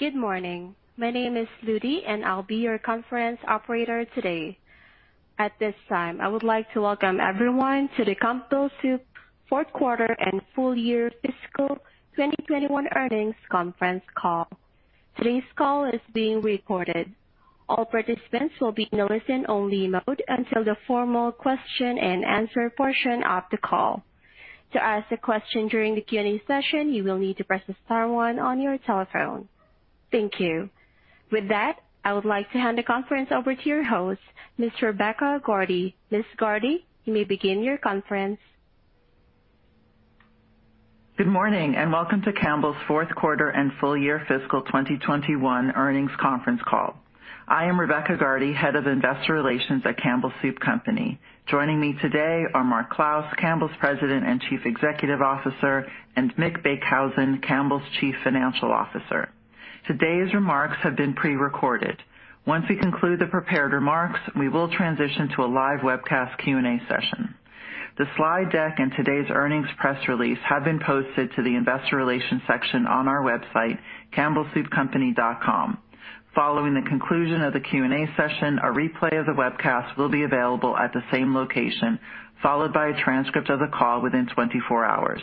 Good morning. My name is Ludy, and I'll be your conference operator today. At this time, I would like to welcome everyone to the Campbell Soup Fourth Quarter and Full Year Fiscal 2021 Earnings Conference Call. Today's call is being recorded. All participants will be in listen-only mode until the formal question and answer portion of the call. To ask a question during the Q&A session, you will need to press star one on your telephone. Thank you. With that, I would like to hand the conference over to your host, Miss Rebecca Gardy. Miss Gardy, you may begin your conference. Good morning and Welcome to Campbell's Fourth Quarter and Full Year Fiscal 2021 Earnings Conference Call. I am Rebecca Gardy, Head of Investor Relations at Campbell Soup Company. Joining me today are Mark Clouse, Campbell's President and Chief Executive Officer, and Mick Beekhuizen, Campbell's Chief Financial Officer. Today's remarks have been pre-recorded. Once we conclude the prepared remarks, we will transition to a live webcast Q&A session. The slide deck and today's earnings press release have been posted to the investor relations section on our website, campbellsoupcompany.com. Following the conclusion of the Q&A session, a replay of the webcast will be available at the same location, followed by a transcript of the call within 24 hours.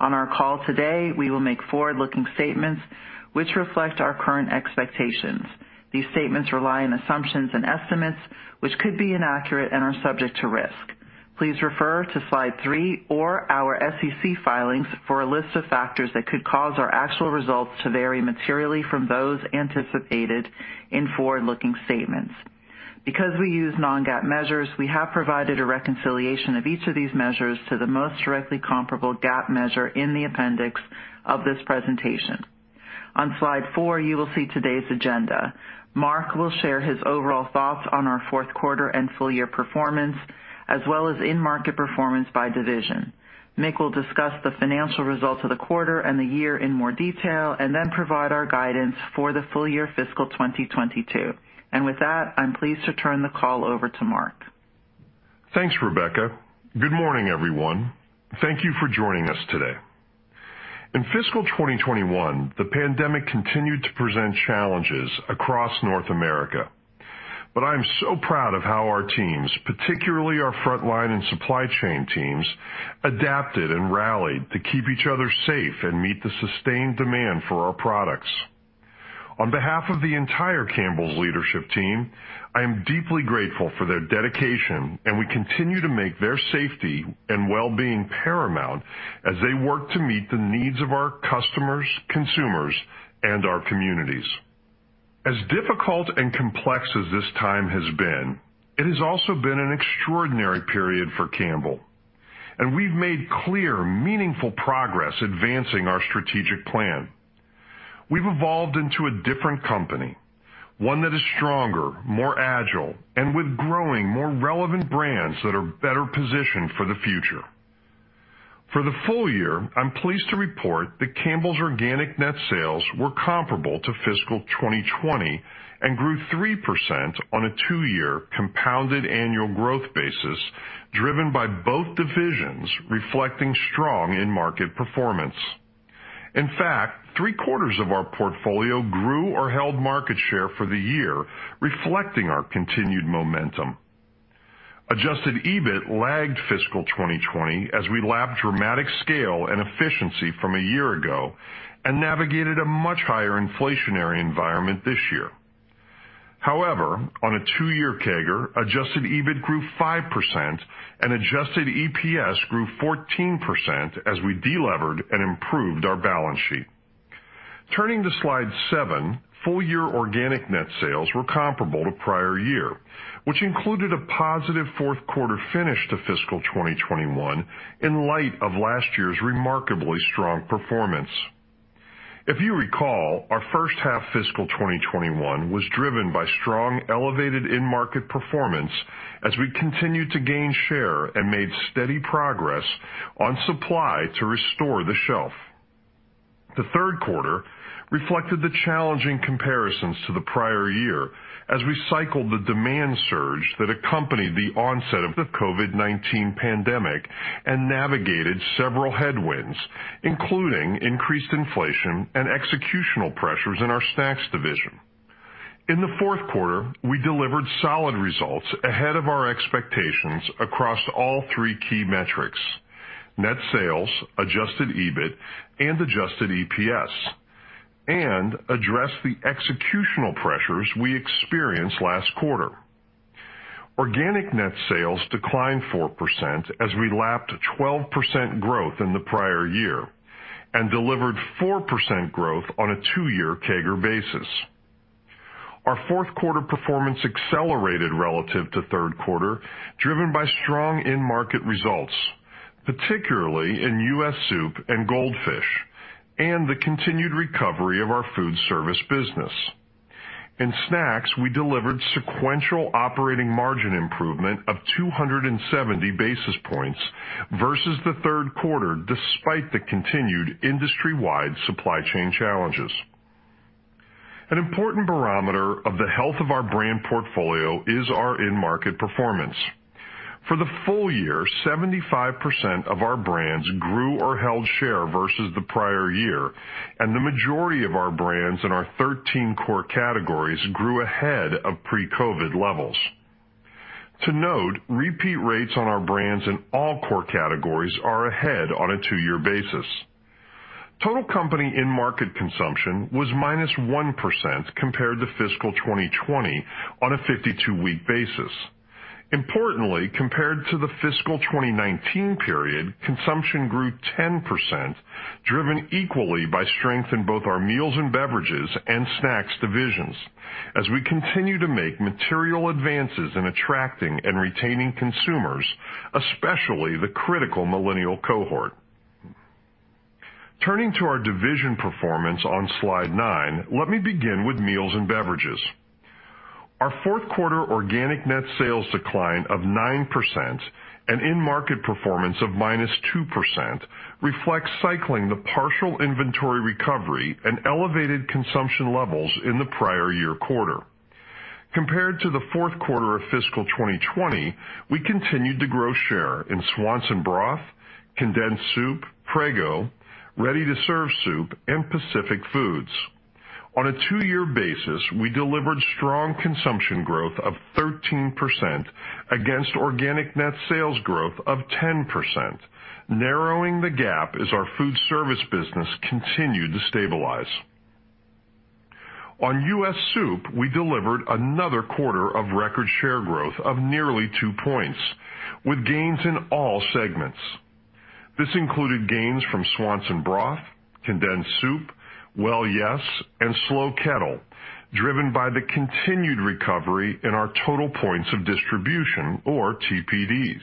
On our call today, we will make forward-looking statements which reflect our current expectations. These statements rely on assumptions and estimates, which could be inaccurate and are subject to risk. Please refer to slide three or our SEC filings for a list of factors that could cause our actual results to vary materially from those anticipated in forward-looking statements. Because we use non-GAAP measures, we have provided a reconciliation of each of these measures to the most directly comparable GAAP measure in the appendix of this presentation. On slide four, you will see today's agenda. Mark will share his overall thoughts on our fourth quarter and full year performance, as well as in-market performance by division. Mick will discuss the financial results of the quarter and the year in more detail, then provide our guidance for the full year fiscal 2022. With that, I'm pleased to turn the call over to Mark. Thanks, Rebecca. Good morning, everyone. Thank you for joining us today. In fiscal 2021, the pandemic continued to present challenges across North America. I am so proud of how our teams, particularly our frontline and supply chain teams, adapted and rallied to keep each other safe and meet the sustained demand for our products. On behalf of the entire Campbell's leadership team, I am deeply grateful for their dedication, and we continue to make their safety and well-being paramount as they work to meet the needs of our customers, consumers, and our communities. As difficult and complex as this time has been, it has also been an extraordinary period for Campbell, and we've made clear, meaningful progress advancing our strategic plan. We've evolved into a different company, one that is stronger, more agile, and with growing, more relevant brands that are better positioned for the future. For the full year, I'm pleased to report that Campbell's organic net sales were comparable to fiscal 2020 and grew 3% on a two-year compounded annual growth basis, driven by both divisions reflecting strong in-market performance. In fact, 3/4 of our portfolio grew or held market share for the year, reflecting our continued momentum. Adjusted EBIT lagged fiscal 2020 as we lapped dramatic scale and efficiency from a year ago and navigated a much higher inflationary environment this year. However, on a two-year CAGR, adjusted EBIT grew 5% and adjusted EPS grew 14% as we de-levered and improved our balance sheet. Turning to slide seven, full-year organic net sales were comparable to prior year, which included a positive fourth quarter finish to fiscal 2021 in light of last year's remarkably strong performance. If you recall, our first half fiscal 2021 was driven by strong elevated in-market performance as we continued to gain share and made steady progress on supply to restore the shelf. The third quarter reflected the challenging comparisons to the prior year as we cycled the demand surge that accompanied the onset of the COVID-19 pandemic and navigated several headwinds, including increased inflation and executional pressures in our snacks division. In the fourth quarter, we delivered solid results ahead of our expectations across all three key metrics, net sales, adjusted EBIT, and adjusted EPS, and addressed the executional pressures we experienced last quarter. Organic net sales declined 4% as we lapped 12% growth in the prior year and delivered 4% growth on a two-year CAGR basis. Our fourth quarter performance accelerated relative to third quarter, driven by strong in-market results, particularly in U.S. soup and Goldfish, and the continued recovery of our food service business. In snacks, we delivered sequential operating margin improvement of 270 basis points versus the third quarter, despite the continued industry-wide supply chain challenges. An important barometer of the health of our brand portfolio is our in-market performance. For the full year, 75% of our brands grew or held share versus the prior year, and the majority of our brands in our 13 core categories grew ahead of pre-COVID levels. To note, repeat rates on our brands in all core categories are ahead on a two-year basis. Total company in-market consumption was -1% compared to fiscal 2020 on a 52-week basis. Importantly, compared to the fiscal 2019 period, consumption grew 10%, driven equally by strength in both our Meals and Beverages and Snacks divisions, as we continue to make material advances in attracting and retaining consumers, especially the critical millennial cohort. Turning to our division performance on slide nine, let me begin with Meals and Beverages. Our fourth quarter organic net sales decline of 9% and in-market performance of minus 2% reflects cycling the partial inventory recovery and elevated consumption levels in the prior year quarter. Compared to the fourth quarter of fiscal 2020, we continued to grow share in Swanson broth, condensed soup, Prego, ready-to-serve soup, and Pacific Foods. On a two-year basis, we delivered strong consumption growth of 13% against organic net sales growth of 10%, narrowing the gap as our food service business continued to stabilize. On U.S. soup, we delivered another quarter of record share growth of nearly 2 points, with gains in all segments. This included gains from Swanson broth, condensed soup, Well Yes!, and Slow Kettle, driven by the continued recovery in our total points of distribution, or TPDs.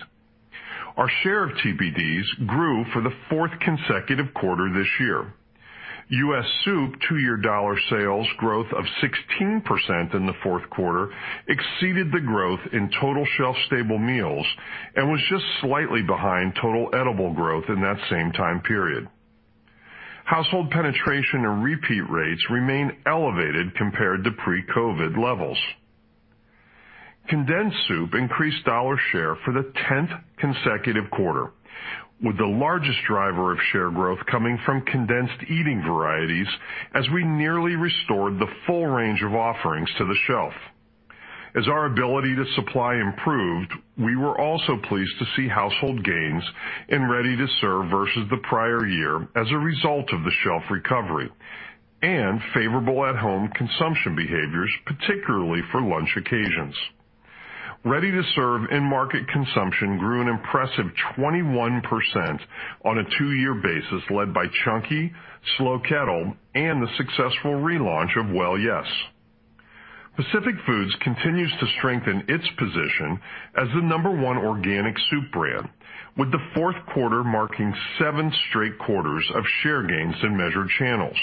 Our share of TPDs grew for the fourth consecutive quarter this year. U.S. soup two-year dollar sales growth of 16% in the fourth quarter exceeded the growth in total shelf-stable meals and was just slightly behind total edible growth in that same time period. Household penetration and repeat rates remain elevated compared to pre-COVID levels. Condensed soup increased dollar share for the 10th consecutive quarter, with the largest driver of share growth coming from condensed eating varieties as we nearly restored the full range of offerings to the shelf. As our ability to supply improved, we were also pleased to see household gains in ready to serve versus the prior year as a result of the shelf recovery and favorable at-home consumption behaviors, particularly for lunch occasions. Ready to serve in-market consumption grew an impressive 21% on a two-year basis, led by Chunky, Slow Kettle, and the successful relaunch of Well Yes!. Pacific Foods continues to strengthen its position as the number one organic soup brand, with the fourth quarter marking seven straight quarters of share gains in measured channels.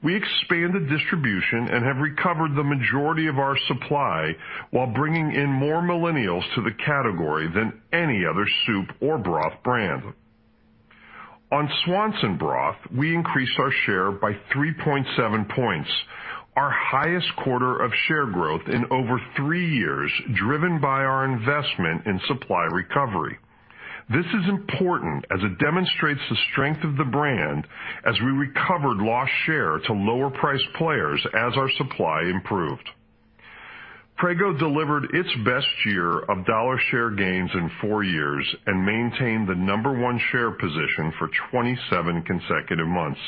We expanded distribution and have recovered the majority of our supply while bringing in more millennials to the category than any other soup or broth brand. On Swanson broth, we increased our share by 3.7 points, our highest quarter of share growth in over three years, driven by our investment in supply recovery. This is important as it demonstrates the strength of the brand as we recovered lost share to lower-priced players as our supply improved. Prego delivered its best year of dollar share gains in four years and maintained the number one share position for 27 consecutive months.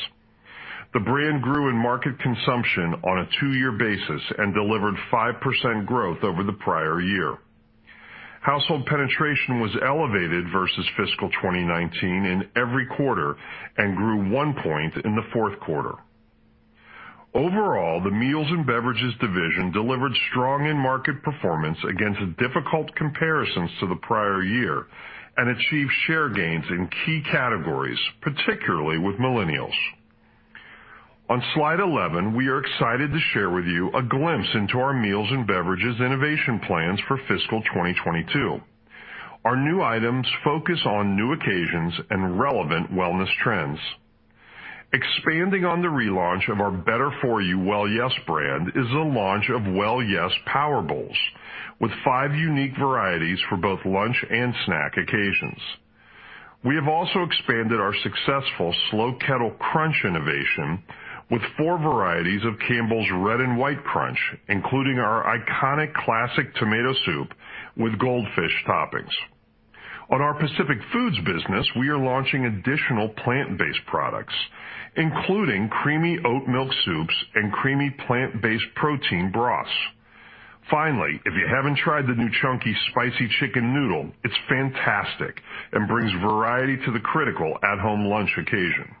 The brand grew in-market consumption on a two-year basis and delivered 5% growth over the prior year. Household penetration was elevated versus fiscal 2019 in every quarter and grew one point in the fourth quarter. Overall, the Meals and Beverages division delivered strong in-market performance against difficult comparisons to the prior year and achieved share gains in key categories, particularly with millennials. On slide 11, we are excited to share with you a glimpse into our Meals and Beverages innovation plans for fiscal 2022. Our new items focus on new occasions and relevant wellness trends. Expanding on the relaunch of our better-for-you Well Yes! brand is the launch of Well Yes! Power Bowls, with five unique varieties for both lunch and snack occasions. We have also expanded our successful Slow Kettle Crunch innovation with four varieties of Campbell's Red and White Crunch, including our iconic classic tomato soup with Goldfish toppings. On our Pacific Foods business, we are launching additional plant-based products, including creamy oat milk soups and creamy plant-based protein broths. Finally, if you haven't tried the new Chunky Spicy Chicken Noodle, it's fantastic and brings variety to the critical at-home lunch occasion.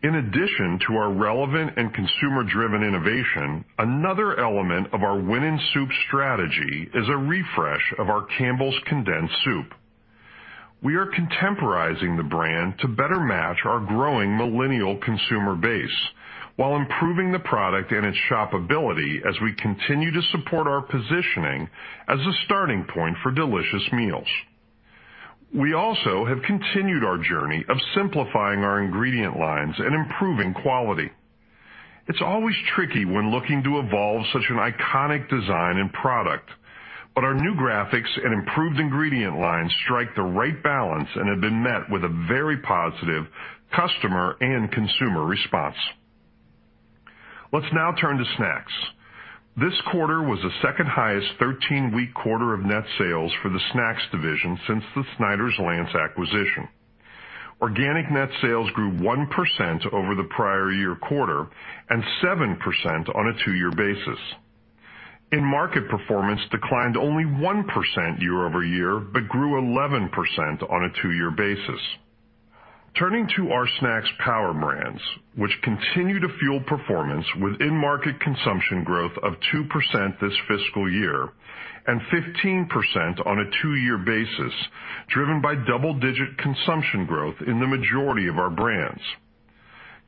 In addition to our relevant and consumer-driven innovation, another element of our Win in Soup strategy is a refresh of our Campbell's condensed soup. We are contemporizing the brand to better match our growing millennial consumer base while improving the product and its shoppability as we continue to support our positioning as a starting point for delicious meals. We also have continued our journey of simplifying our ingredient lines and improving quality. It's always tricky when looking to evolve such an iconic design and product, but our new graphics and improved ingredient lines strike the right balance and have been met with a very positive customer and consumer response. Let's now turn to snacks. This quarter was the second highest 13-week quarter of net sales for the snacks division since the Snyder's-Lance acquisition. Organic net sales grew 1% over the prior year quarter and 7% on a two-year basis. In-market performance declined only 1% year-over-year, but grew 11% on a two-year basis. Turning to our snacks power brands, which continue to fuel performance with in-market consumption growth of 2% this fiscal year and 15% on a two-year basis, driven by double-digit consumption growth in the majority of our brands.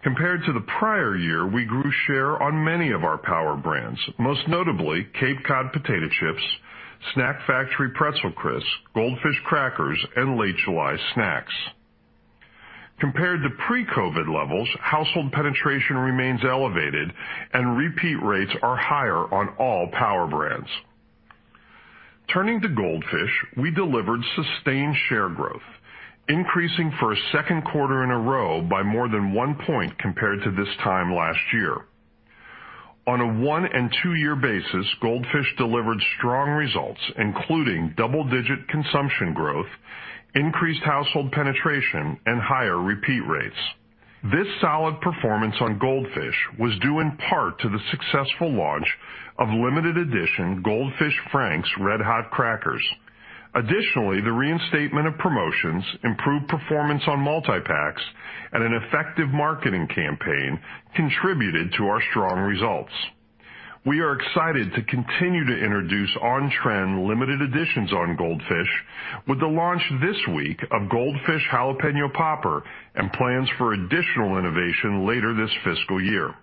Compared to the prior year, we grew share on many of our power brands, most notably Cape Cod Potato Chips, Snack Factory Pretzel Crisps, Goldfish Crackers, and Late July Snacks. Compared to pre-COVID levels, household penetration remains elevated, and repeat rates are higher on all power brands. Turning to Goldfish, we delivered sustained share growth, increasing for a second quarter in a row by more than 1 point compared to this time last year. On a one and two-year basis, Goldfish delivered strong results, including double-digit consumption growth, increased household penetration, and higher repeat rates. This solid performance on Goldfish was due in part to the successful launch of limited edition Goldfish Frank's RedHot crackers. Additionally, the reinstatement of promotions improved performance on multipacks and an effective marketing campaign contributed to our strong results. We are excited to continue to introduce on-trend limited editions on Goldfish with the launch this week of Goldfish Jalapeño Popper and plans for additional innovation later this fiscal year.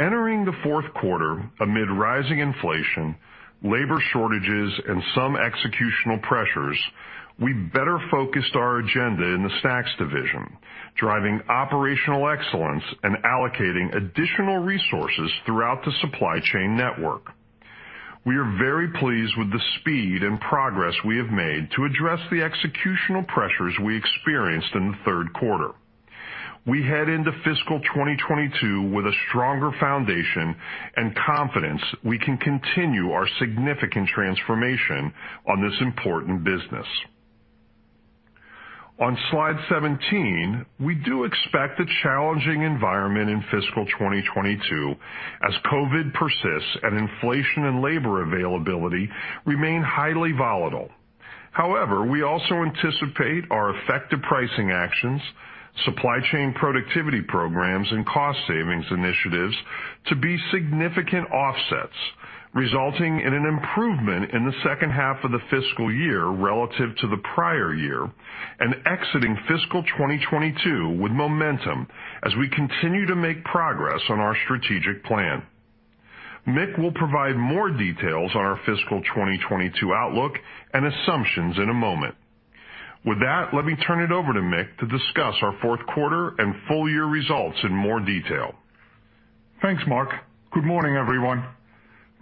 Entering the fourth quarter amid rising inflation, labor shortages, and some executional pressures, we better focused our agenda in the snacks division, driving operational excellence and allocating additional resources throughout the supply chain network. We are very pleased with the speed and progress we have made to address the executional pressures we experienced in the third quarter. We head into fiscal 2022 with a stronger foundation and confidence we can continue our significant transformation on this important business. On slide 17, we do expect a challenging environment in fiscal 2022 as COVID persists and inflation and labor availability remain highly volatile. However, we also anticipate our effective pricing actions, supply chain productivity programs, and cost savings initiatives to be significant offsets, resulting in an improvement in the second half of the fiscal year relative to the prior year and exiting fiscal 2022 with momentum as we continue to make progress on our strategic plan. Mick will provide more details on our fiscal 2022 outlook and assumptions in a moment. With that, let me turn it over to Mick to discuss our fourth quarter and full-year results in more detail. Thanks, Mark. Good morning, everyone.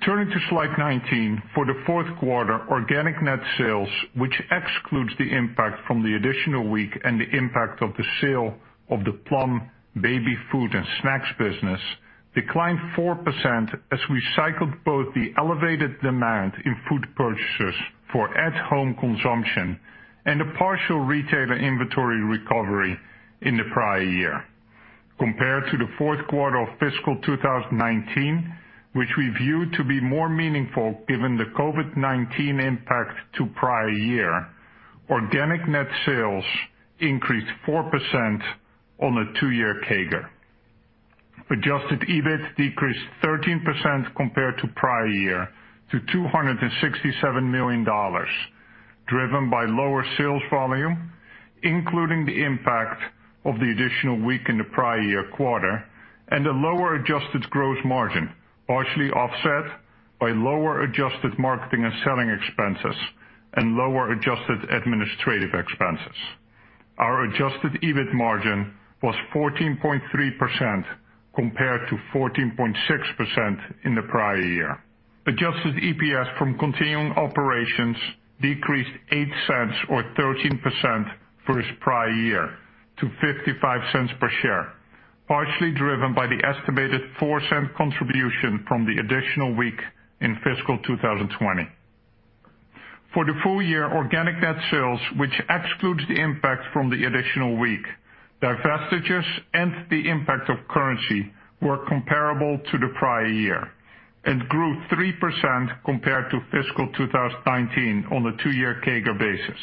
Turning to slide 19. For the fourth quarter, organic net sales, which excludes the impact from the additional week and the impact of the sale of the Plum baby food and snacks business, declined 4% as we cycled both the elevated demand in food purchases for at-home consumption and a partial retailer inventory recovery in the prior year. Compared to the fourth quarter of fiscal 2019, which we view to be more meaningful given the COVID-19 impact to prior year, organic net sales increased 4% on a two-year CAGR. Adjusted EBIT decreased 13% compared to prior year to $267 million, driven by lower sales volume, including the impact of the additional week in the prior year quarter and a lower adjusted gross margin, partially offset by lower adjusted marketing and selling expenses and lower adjusted administrative expenses. Our adjusted EBIT margin was 14.3% compared to 14.6% in the prior year. Adjusted EPS from continuing operations decreased $0.08 or 13% versus prior year to $0.55 per share, partially driven by the estimated $0.04 contribution from the additional week in fiscal 2020. For the full year, organic net sales, which excludes the impact from the additional week, divestitures, and the impact of currency were comparable to the prior year and grew 3% compared to fiscal 2019 on the two-year CAGR basis.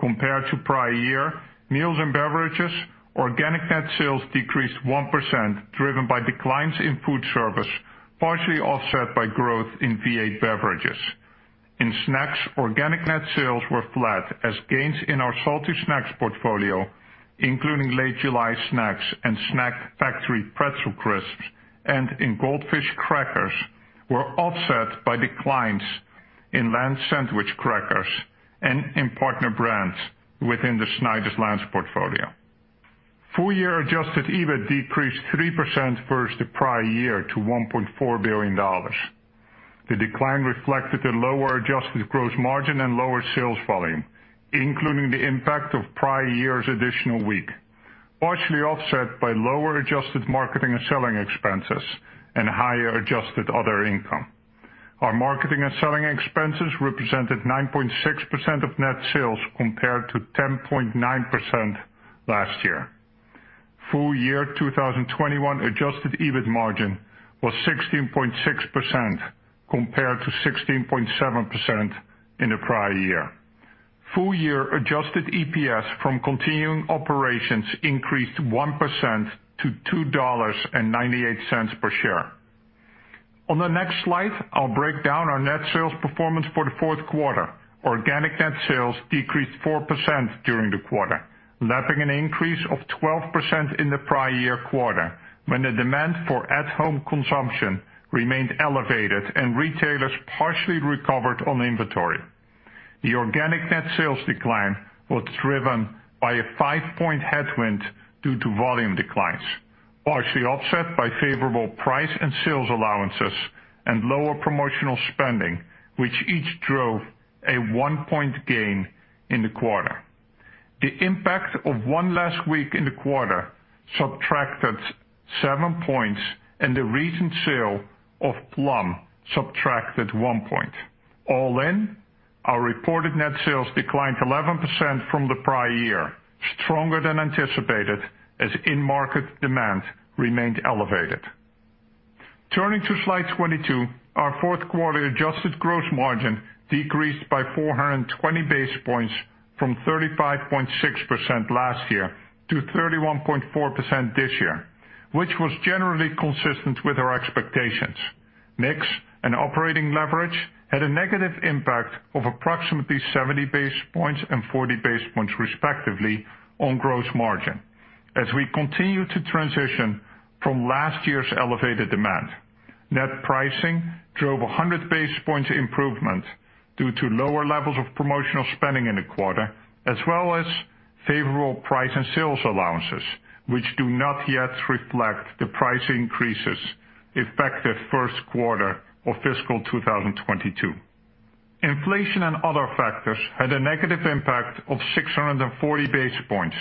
Compared to prior year, Meals and Beverages organic net sales decreased 1%, driven by declines in food service, partially offset by growth in V8 beverages. In Snacks, organic net sales were flat as gains in our salty snacks portfolio, including Late July Snacks and Snack Factory Pretzel Crisps and in Goldfish Crackers were offset by declines in Lance sandwich crackers and in partner brands within the Snyder's-Lance portfolio. Full year adjusted EBIT decreased 3% versus the prior year to $1.4 billion. The decline reflected the lower adjusted gross margin and lower sales volume, including the impact of prior year's additional week, partially offset by lower adjusted marketing and selling expenses and higher adjusted other income. Our marketing and selling expenses represented 9.6% of net sales, compared to 10.9% last year. Full year 2021 adjusted EBIT margin was 16.6%, compared to 16.7% in the prior year. Full year adjusted EPS from continuing operations increased 1% to $2.98 per share. On the next slide, I'll break down our net sales performance for the fourth quarter. Organic net sales decreased 4% during the quarter, lapping an increase of 12% in the prior year quarter when the demand for at-home consumption remained elevated and retailers partially recovered on inventory. The organic net sales decline was driven by a 5-point headwind due to volume declines, partially offset by favorable price and sales allowances and lower promotional spending, which each drove a 1-point gain in the quarter. The impact of one less week in the quarter subtracted 7 points, and the recent sale of Plum subtracted 1 point. All in, our reported net sales declined 11% from the prior year, stronger than anticipated as in-market demand remained elevated. Turning to slide 22, our fourth quarter adjusted gross margin decreased by 420 basis points from 35.6% last year to 31.4% this year, which was generally consistent with our expectations. Mix and operating leverage had a negative impact of approximately 70 basis points and 40 basis points, respectively, on gross margin as we continue to transition from last year's elevated demand. Net pricing drove 100 basis points improvement due to lower levels of promotional spending in the quarter, as well as favorable price and sales allowances, which do not yet reflect the price increases effective first quarter of fiscal 2022. Inflation and other factors had a negative impact of 640 basis points,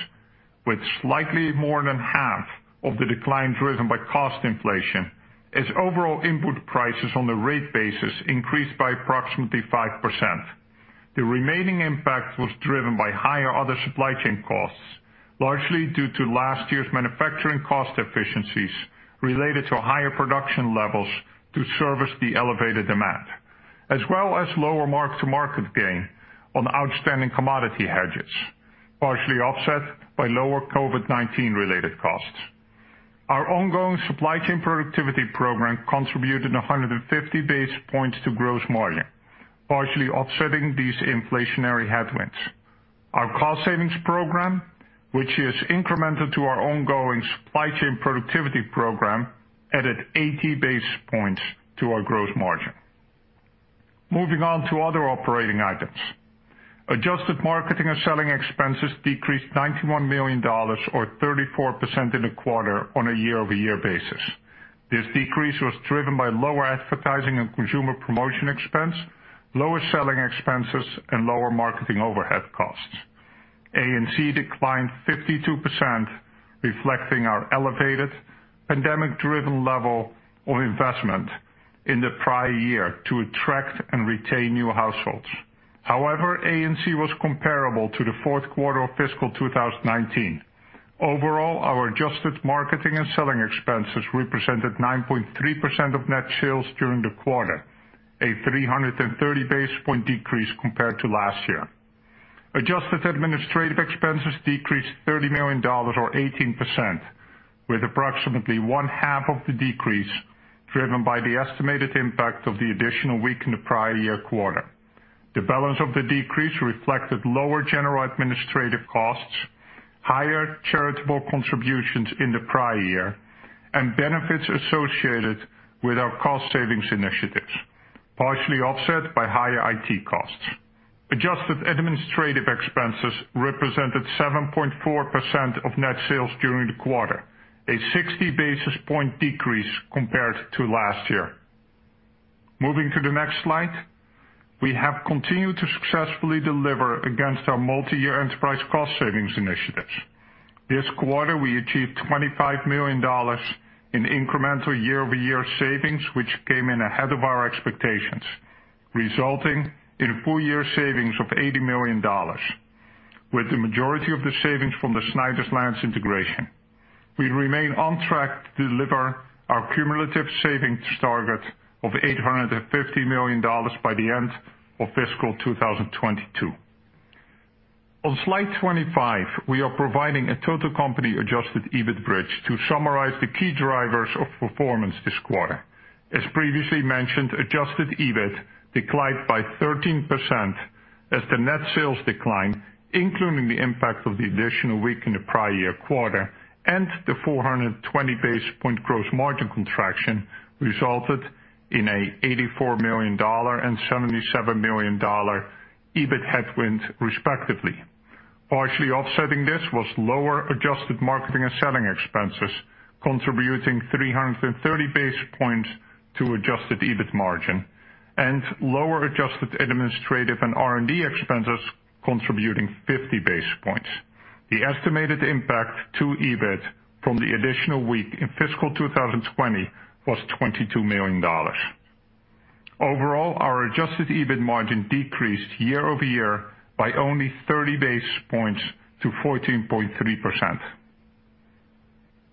with slightly more than half of the decline driven by cost inflation as overall input prices on a rate basis increased by approximately 5%. The remaining impact was driven by higher other supply chain costs, largely due to last year's manufacturing cost efficiencies related to higher production levels to service the elevated demand, as well as lower mark-to-market gain on outstanding commodity hedges, partially offset by lower COVID-19 related costs. Our ongoing supply chain productivity program contributed 150 basis points to gross margin, partially offsetting these inflationary headwinds. Our cost savings program, which is incremental to our ongoing supply chain productivity program, added 80 basis points to our gross margin. Moving on to other operating items. Adjusted marketing and selling expenses decreased $91 million, or 34% in the quarter on a year-over-year basis. This decrease was driven by lower advertising and consumer promotion expense, lower selling expenses, and lower marketing overhead costs. A&C declined 52%, reflecting our elevated pandemic-driven level of investment in the prior year to attract and retain new households. However, A&C was comparable to the fourth quarter of fiscal 2019. Overall, our adjusted marketing and selling expenses represented 9.3% of net sales during the quarter, a 330 basis point decrease compared to last year. Adjusted administrative expenses decreased $30 million, or 18%, with approximately 1/2 of the decrease driven by the estimated impact of the additional week in the prior year quarter. The balance of the decrease reflected lower general administrative costs, higher charitable contributions in the prior year, and benefits associated with our cost savings initiatives, partially offset by higher IT costs. Adjusted administrative expenses represented 7.4% of net sales during the quarter, a 60 basis point decrease compared to last year. Moving to the next slide, we have continued to successfully deliver against our multi-year enterprise cost savings initiatives. This quarter, we achieved $25 million in incremental year-over-year savings, which came in ahead of our expectations, resulting in a full-year savings of $80 million, with the majority of the savings from the Snyder's-Lance integration. We remain on track to deliver our cumulative savings target of $850 million by the end of fiscal 2022. On slide 25, we are providing a total company adjusted EBIT bridge to summarize the key drivers of performance this quarter. As previously mentioned, adjusted EBIT declined by 13% as the net sales declined, including the impact of the additional week in the prior year quarter, and the 420 basis point gross margin contraction resulted in a $84 million and $77 million EBIT headwind, respectively. Partially offsetting this was lower adjusted marketing and selling expenses, contributing 330 basis points to adjusted EBIT margin, and lower adjusted administrative and R&D expenses contributing 50 basis points. The estimated impact to EBIT from the additional week in fiscal 2020 was $22 million. Overall, our adjusted EBIT margin decreased year-over-year by only 30 basis points to 14.3%.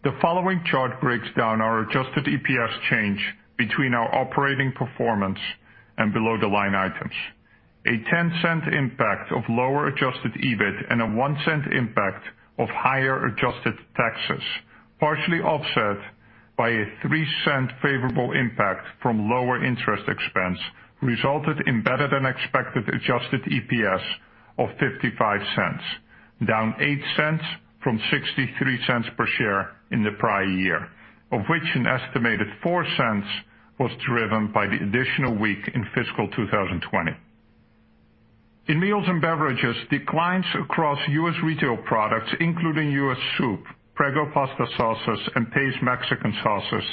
The following chart breaks down our adjusted EPS change between our operating performance and below-the-line items. A $0.10 impact of lower adjusted EBIT and a $0.01 impact of higher adjusted taxes, partially offset by a $0.03 favorable impact from lower interest expense, resulted in better-than-expected adjusted EPS of $0.55, down $0.08 from $0.63 per share in the prior year, of which an estimated $0.04 was driven by the additional week in fiscal 2020. In Meals and Beverages, declines across U.S. retail products, including U.S. soup, Prego pasta sauces, and Pace Mexican sauces,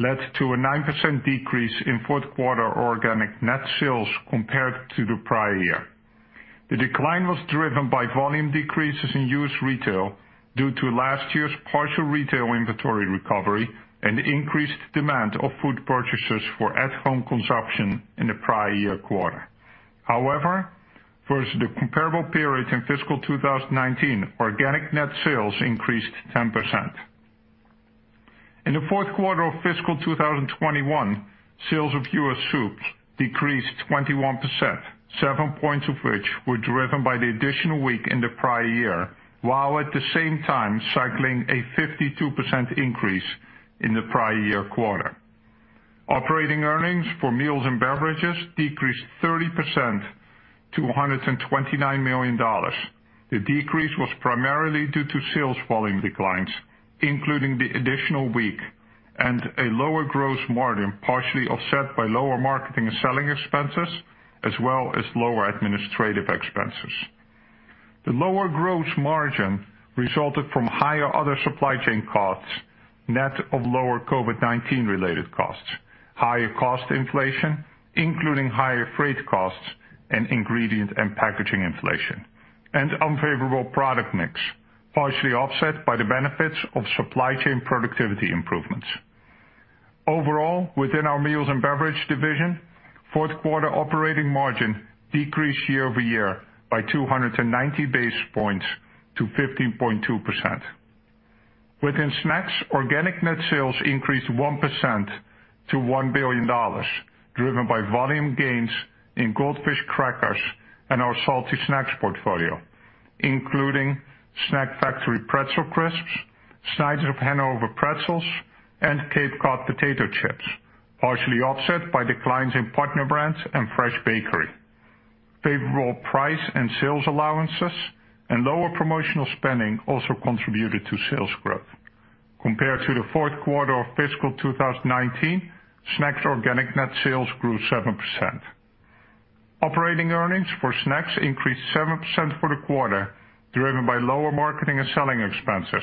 led to a 9% decrease in fourth quarter organic net sales compared to the prior year. The decline was driven by volume decreases in U.S. retail due to last year's partial retail inventory recovery and increased demand of food purchasers for at-home consumption in the prior year quarter. However, versus the comparable period in fiscal 2019, organic net sales increased 10%. In the fourth quarter of fiscal 2021, sales of U.S. soups decreased 21%, 7 points of which were driven by the additional week in the prior year, while at the same time cycling a 52% increase in the prior year quarter. Operating earnings for meals and beverages decreased 30% to $129 million. The decrease was primarily due to sales volume declines, including the additional week and a lower gross margin, partially offset by lower marketing and selling expenses, as well as lower administrative expenses. The lower gross margin resulted from higher other supply chain costs, net of lower COVID-19-related costs, higher cost inflation, including higher freight costs and ingredient and packaging inflation, and unfavorable product mix, partially offset by the benefits of supply chain productivity improvements. Over all within our Meals and Beverage division, fourth quarter operating margin decreased year-over-year by 290 basis points to 15.2%. Within Snacks, organic net sales increased 1% to $1 billion, driven by volume gains in Goldfish Crackers and our salty snacks portfolio, including Snack Factory Pretzel Crisps, Snyder's of Hanover pretzels, and Cape Cod Potato Chips, partially offset by declines in partner brands and fresh bakery. Favorable price and sales allowances and lower promotional spending also contributed to sales growth. Compared to the fourth quarter of fiscal 2019, snacks organic net sales grew 7%. Operating earnings for snacks increased 7% for the quarter, driven by lower marketing and selling expenses,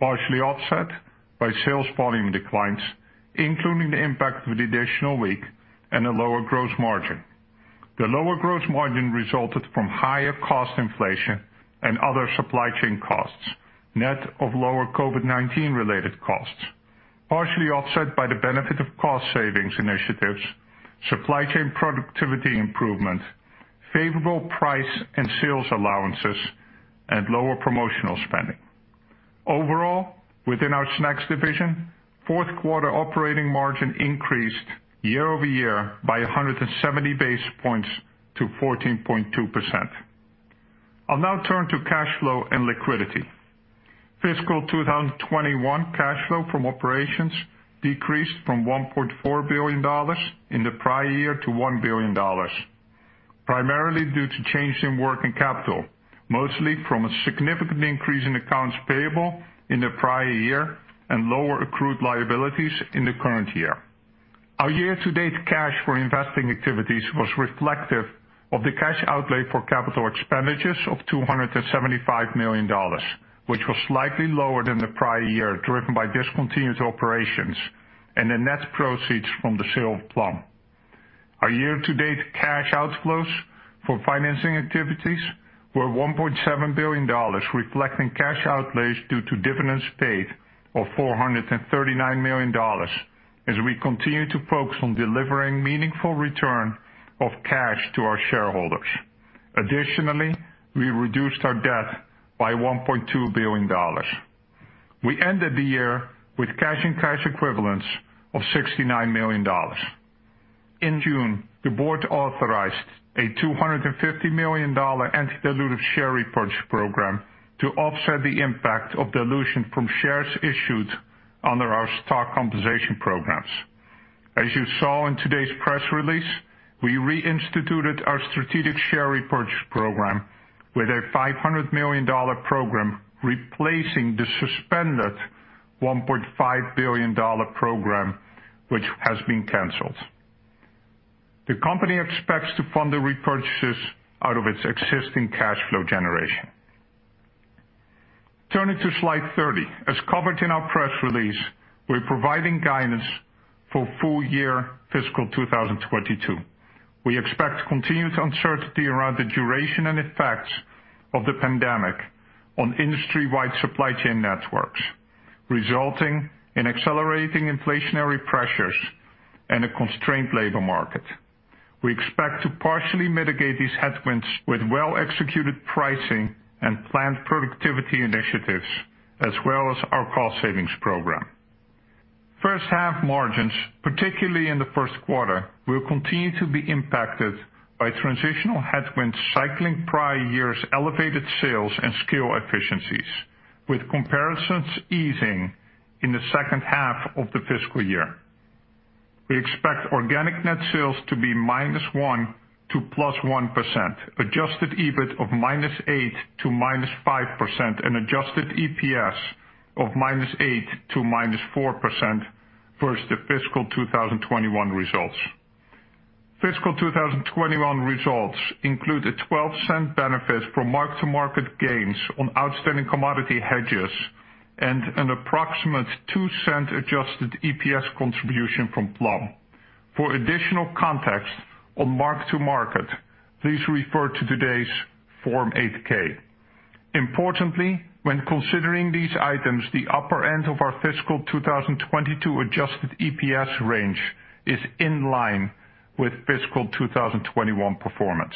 partially offset by sales volume declines, including the impact of the additional week and a lower gross margin. The lower gross margin resulted from higher cost inflation and other supply chain costs, net of lower COVID-19-related costs, partially offset by the benefit of cost savings initiatives, supply chain productivity improvement, favorable price and sales allowances, and lower promotional spending. Overall, within our snacks division, fourth quarter operating margin increased year-over-year by 170 basis points to 14.2%. I'll now turn to cash flow and liquidity. Fiscal 2021 cash flow from operations decreased from $1.4 billion in the prior year to $1 billion, primarily due to changes in working capital, mostly from a significant increase in accounts payable in the prior year and lower accrued liabilities in the current year. Our year-to-date cash for investing activities was reflective of the cash outlay for capital expenditures of $275 million, which was slightly lower than the prior year, driven by discontinued operations and the net proceeds from the sale of Plum. Our year-to-date cash outflows for financing activities were $1.7 billion, reflecting cash outflows due to dividends paid of $439 million as we continue to focus on delivering meaningful return of cash to our shareholders. Additionally, we reduced our debt by $1.2 billion. We ended the year with cash and cash equivalents of $69 million. In June, the board authorized a $250 million anti-dilutive share repurchase program to offset the impact of dilution from shares issued under our stock compensation programs. As you saw in today's press release, we reinstituted our strategic share repurchase program with a $500 million program, replacing the suspended $1.5 billion program, which has been canceled. The company expects to fund the repurchases out of its existing cash flow generation. Turning to slide 30, as covered in our press release, we're providing guidance for full year fiscal 2022. We expect continued uncertainty around the duration and effects of the pandemic on industry-wide supply chain networks, resulting in accelerating inflationary pressures and a constrained labor market. We expect to partially mitigate these headwinds with well-executed pricing and planned productivity initiatives, as well as our cost savings program. First half margins, particularly in the first quarter, will continue to be impacted by transitional headwinds cycling prior year's elevated sales and scale efficiencies, with comparisons easing in the second half of the fiscal year. We expect organic net sales to be -1% to +1%, adjusted EBIT of -8% to -5%, and adjusted EPS of -8% to -4% versus the fiscal 2021 results. Fiscal 2021 results include a $0.12 benefit from mark-to-market gains on outstanding commodity hedges and an approximate $0.02 adjusted EPS contribution from Plum. For additional context on mark-to-market, please refer to today's Form 8-K. Importantly, when considering these items, the upper end of our fiscal 2022 adjusted EPS range is in line with fiscal 2021 performance.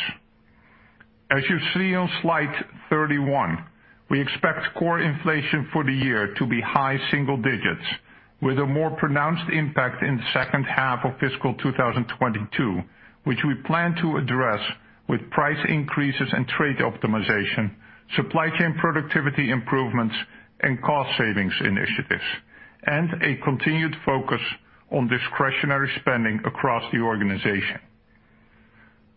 As you see on slide 31, we expect core inflation for the year to be high single digits, with a more pronounced impact in the second half of fiscal 2022, which we plan to address with price increases and trade optimization, supply chain productivity improvements, and cost savings initiatives, and a continued focus on discretionary spending across the organization.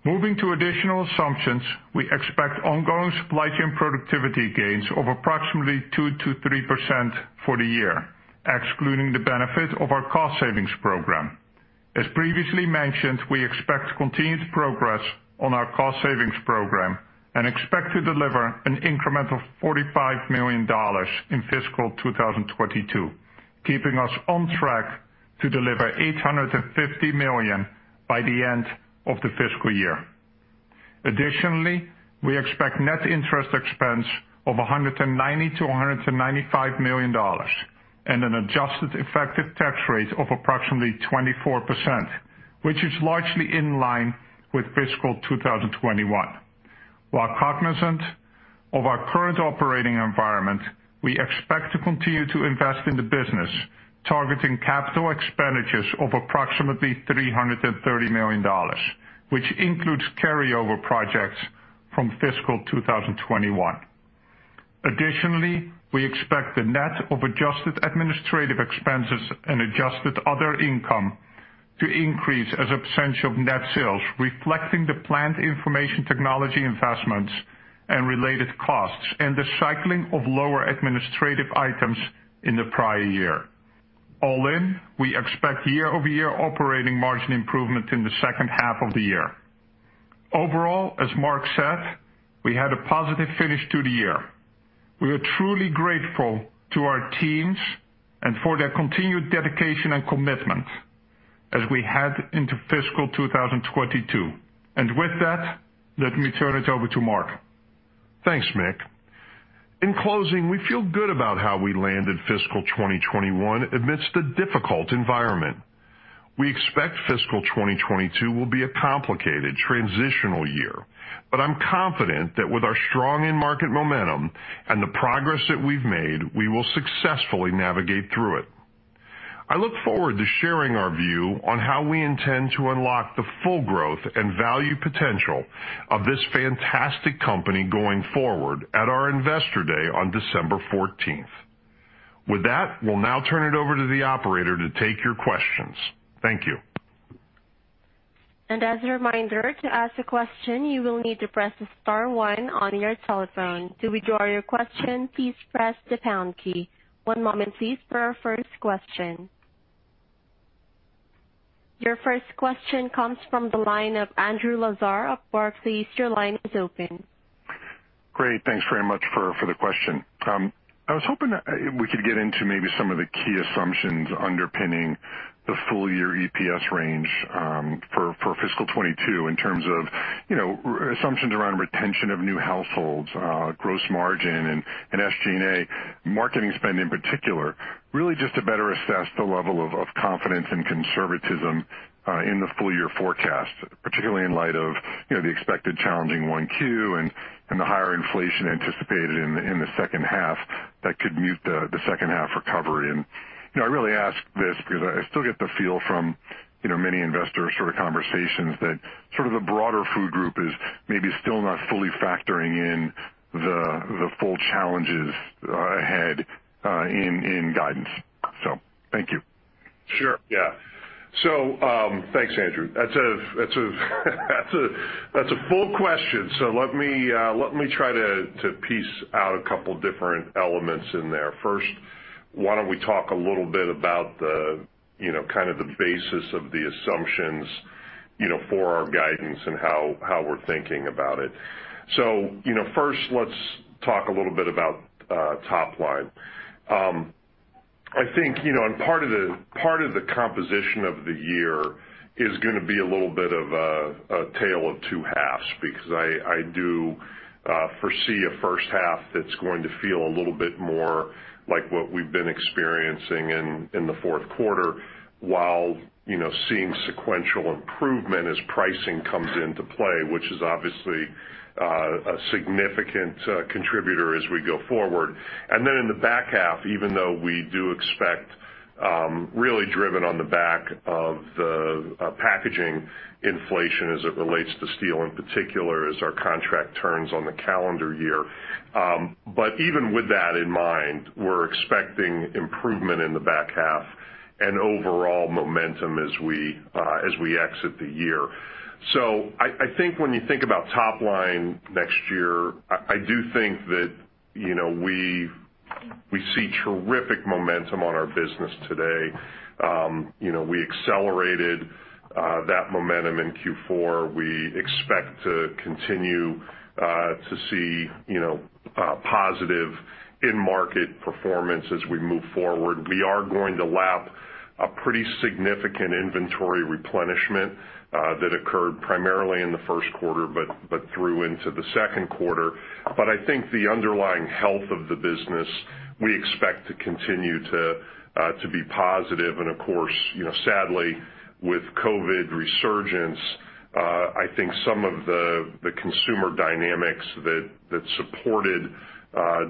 Moving to additional assumptions, we expect ongoing supply chain productivity gains of approximately 2%-3% for the year, excluding the benefit of our cost savings program. As previously mentioned, we expect continued progress on our cost savings program and expect to deliver an increment of $45 million in fiscal 2022, keeping us on track to deliver $850 million by the end of the fiscal year. We expect net interest expense of $190 million-$195 million and an adjusted effective tax rate of approximately 24%, which is largely in line with fiscal 2021. While cognizant of our current operating environment, we expect to continue to invest in the business, targeting capital expenditures of approximately $330 million, which includes carryover projects from fiscal 2021. We expect the net of adjusted administrative expenses and adjusted other income to increase as a percent of net sales, reflecting the planned information technology investments and related costs and the cycling of lower administrative items in the prior year. We expect year-over-year operating margin improvement in the second half of the year. As Mark said, we had a positive finish to the year. We are truly grateful to our teams and for their continued dedication and commitment as we head into fiscal 2022. With that, let me turn it over to Mark. Thanks, Mick. In closing, we feel good about how we landed fiscal 2021 amidst a difficult environment. We expect fiscal 2022 will be a complicated transitional year, but I'm confident that with our strong end market momentum and the progress that we've made, we will successfully navigate through it. I look forward to sharing our view on how we intend to unlock the full growth and value potential of this fantastic company going forward at our Investor Day on December 14th. With that, we'll now turn it over to the operator to take your questions. Thank you. As a reminder, to ask a question, you will need to press star one on your telephone. To withdraw your question, please press the pound key. One moment please for our first question. Your first question comes from the line of Andrew Lazar of Barclays. Your line is open. Great. Thanks very much for the question. I was hoping that we could get into maybe some of the key assumptions underpinning the full-year EPS range for fiscal 2022 in terms of assumptions around retention of new households, gross margin, and SG&A marketing spend in particular, really just to better assess the level of confidence and conservatism in the full-year forecast, particularly in light of the expected challenging 1Q and the higher inflation anticipated in the second half that could mute the second half recovery. I really ask this because I still get the feel from many investors sort of conversations that sort of the broader food group is maybe still not fully factoring in the full challenges ahead in guidance. Thank you. Sure, yeah. Thanks, Andrew. That's a full question, so let me try to piece out a couple of different elements in there. First, why don't we talk a little bit about the kind of the basis of the assumptions for our guidance and how we're thinking about it. First, let's talk a little bit about top line. I think, and part of the composition of the year is going to be a little bit of a tale of two halves, because I do foresee a first half that's going to feel a little bit more like what we've been experiencing in the fourth quarter, while seeing sequential improvement as pricing comes into play, which is obviously a significant contributor as we go forward. In the back half, even though we do expect, really driven on the back of the packaging inflation as it relates to steel, in particular as our contract turns on the calendar year. Even with that in mind, we're expecting improvement in the back half and overall momentum as we exit the year. I think when you think about top line next year, I do think that we see terrific momentum on our business today. We accelerated that momentum in Q4. We expect to continue to see positive in-market performance as we move forward. We are going to lap a pretty significant inventory replenishment that occurred primarily in the first quarter, but through into the second quarter. I think the underlying health of the business, we expect to continue to be positive. Of course, sadly, with COVID resurgence, I think some of the consumer dynamics that supported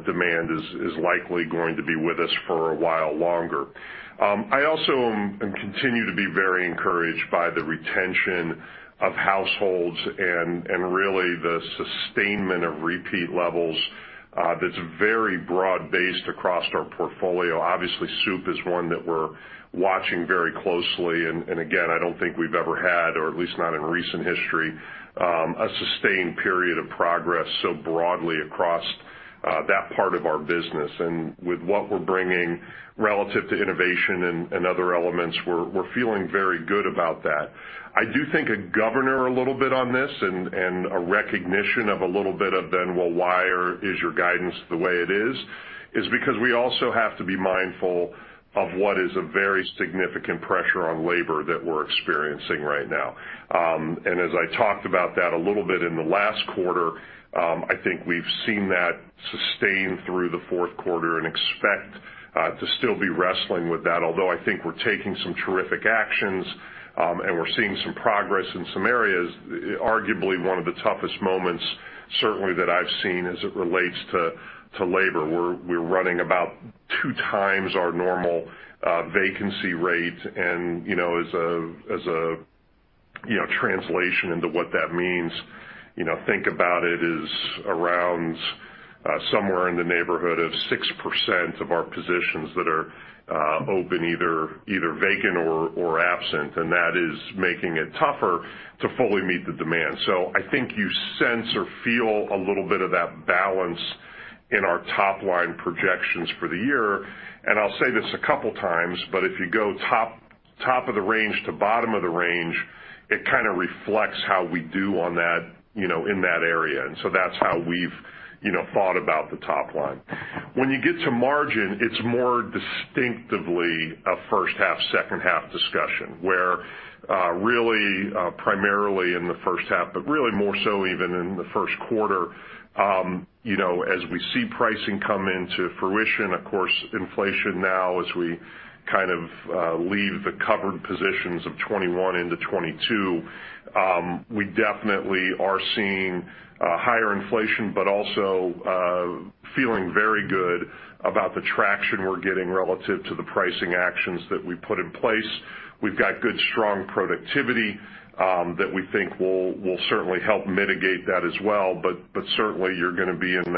demand is likely going to be with us for a while longer. I also continue to be very encouraged by the retention of households and really the sustainment of repeat levels that's very broad-based across our portfolio. Obviously, soup is one that we're watching very closely, and again, I don't think we've ever had, or at least not in recent history, a sustained period of progress so broadly across that part of our business. With what we're bringing relative to innovation and other elements, we're feeling very good about that. I do think a governor a little bit on this and a recognition of a little bit of then, well, why is your guidance the way it is because we also have to be mindful of what is a very significant pressure on labor that we're experiencing right now. As I talked about that a little bit in the last quarter, I think we've seen that sustain through the fourth quarter and expect to still be wrestling with that. I think we're taking some terrific actions, and we're seeing some progress in some areas, arguably one of the toughest moments, certainly, that I've seen as it relates to labor. We're running about two times our normal vacancy rate and as a translation into what that means, think about it as around somewhere in the neighborhood of 6% of our positions that are open, either vacant or absent, and that is making it tougher to fully meet the demand. I think you sense or feel a little bit of that balance in our top-line projections for the year, and I'll say this a couple times, but if you go top of the range to bottom of the range, it kind of reflects how we do in that area. That's how we've thought about the top line. When you get to margin, it's more distinctively a first half, second half discussion, where really, primarily in the first half, but really more so even in the first quarter. As we see pricing come into fruition, of course, inflation now, as we kind of leave the covered positions of 2021 into 2022, we definitely are seeing higher inflation, but also feeling very good about the traction we're getting relative to the pricing actions that we put in place. We've got good, strong productivity that we think will certainly help mitigate that as well. Certainly, you're going to be in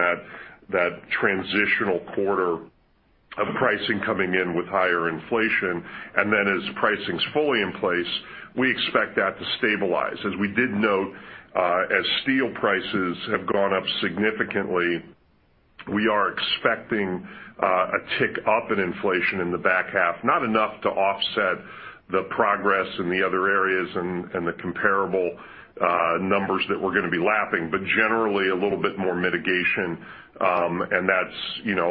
that transitional quarter of pricing coming in with higher inflation. Then as pricing's fully in place, we expect that to stabilize. As we did note, as steel prices have gone up significantly, we are expecting a tick up in inflation in the back half. Not enough to offset the progress in the other areas and the comparable numbers that we're going to be lapping, but generally a little more mitigation.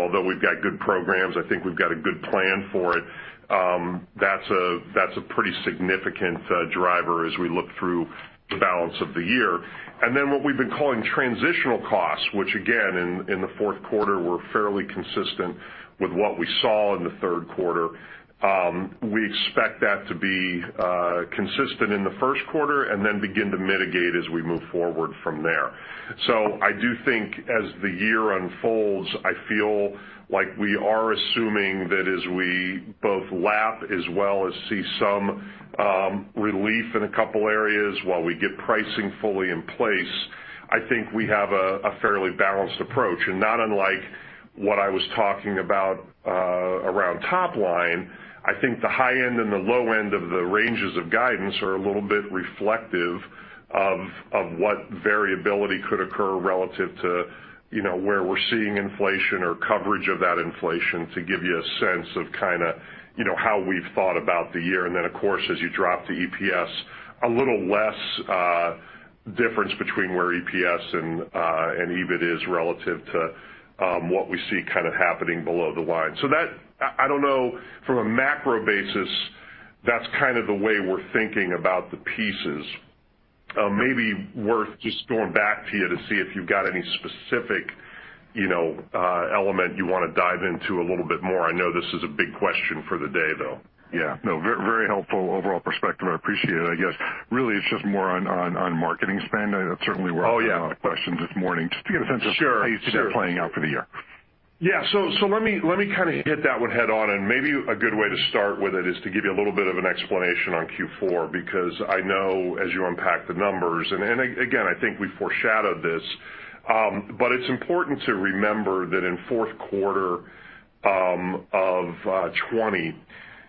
Although we've got good programs, I think we've got a good plan for it. That's a pretty significant driver as we look through the balance of the year. Then what we've been calling transitional costs, which again, in the fourth quarter, were fairly consistent with what we saw in the third quarter. We expect that to be consistent in the first quarter and then begin to mitigate as we move forward from there. I do think as the year unfolds, I feel like we are assuming that as we both lap as well as see some relief in a couple areas while we get pricing fully in place. I think we have a fairly balanced approach. Not unlike what I was talking about around top line, I think the high end and the low end of the ranges of guidance are a little bit reflective of what variability could occur relative to where we're seeing inflation or coverage of that inflation, to give you a sense of how we've thought about the year. Of course, as you drop to EPS, a little less difference between where EPS and EBIT is relative to what we see happening below the line. I don't know. From a macro basis, that's the way we're thinking about the pieces. Maybe worth just throwing back to you to see if you've got any specific element you want to dive into a little bit more. I know this is a big question for the day, though. Yeah. No, very helpful overall perspective. I appreciate it. I guess really it's just more on marketing spend. Oh, yeah. I have questions this morning. Sure How you see that playing out for the year? Let me hit that one head on, and maybe a good way to start with it is to give you a little bit of an explanation on Q4, because I know as you unpack the numbers, and again, I think we foreshadowed this. It's important to remember that in fourth quarter of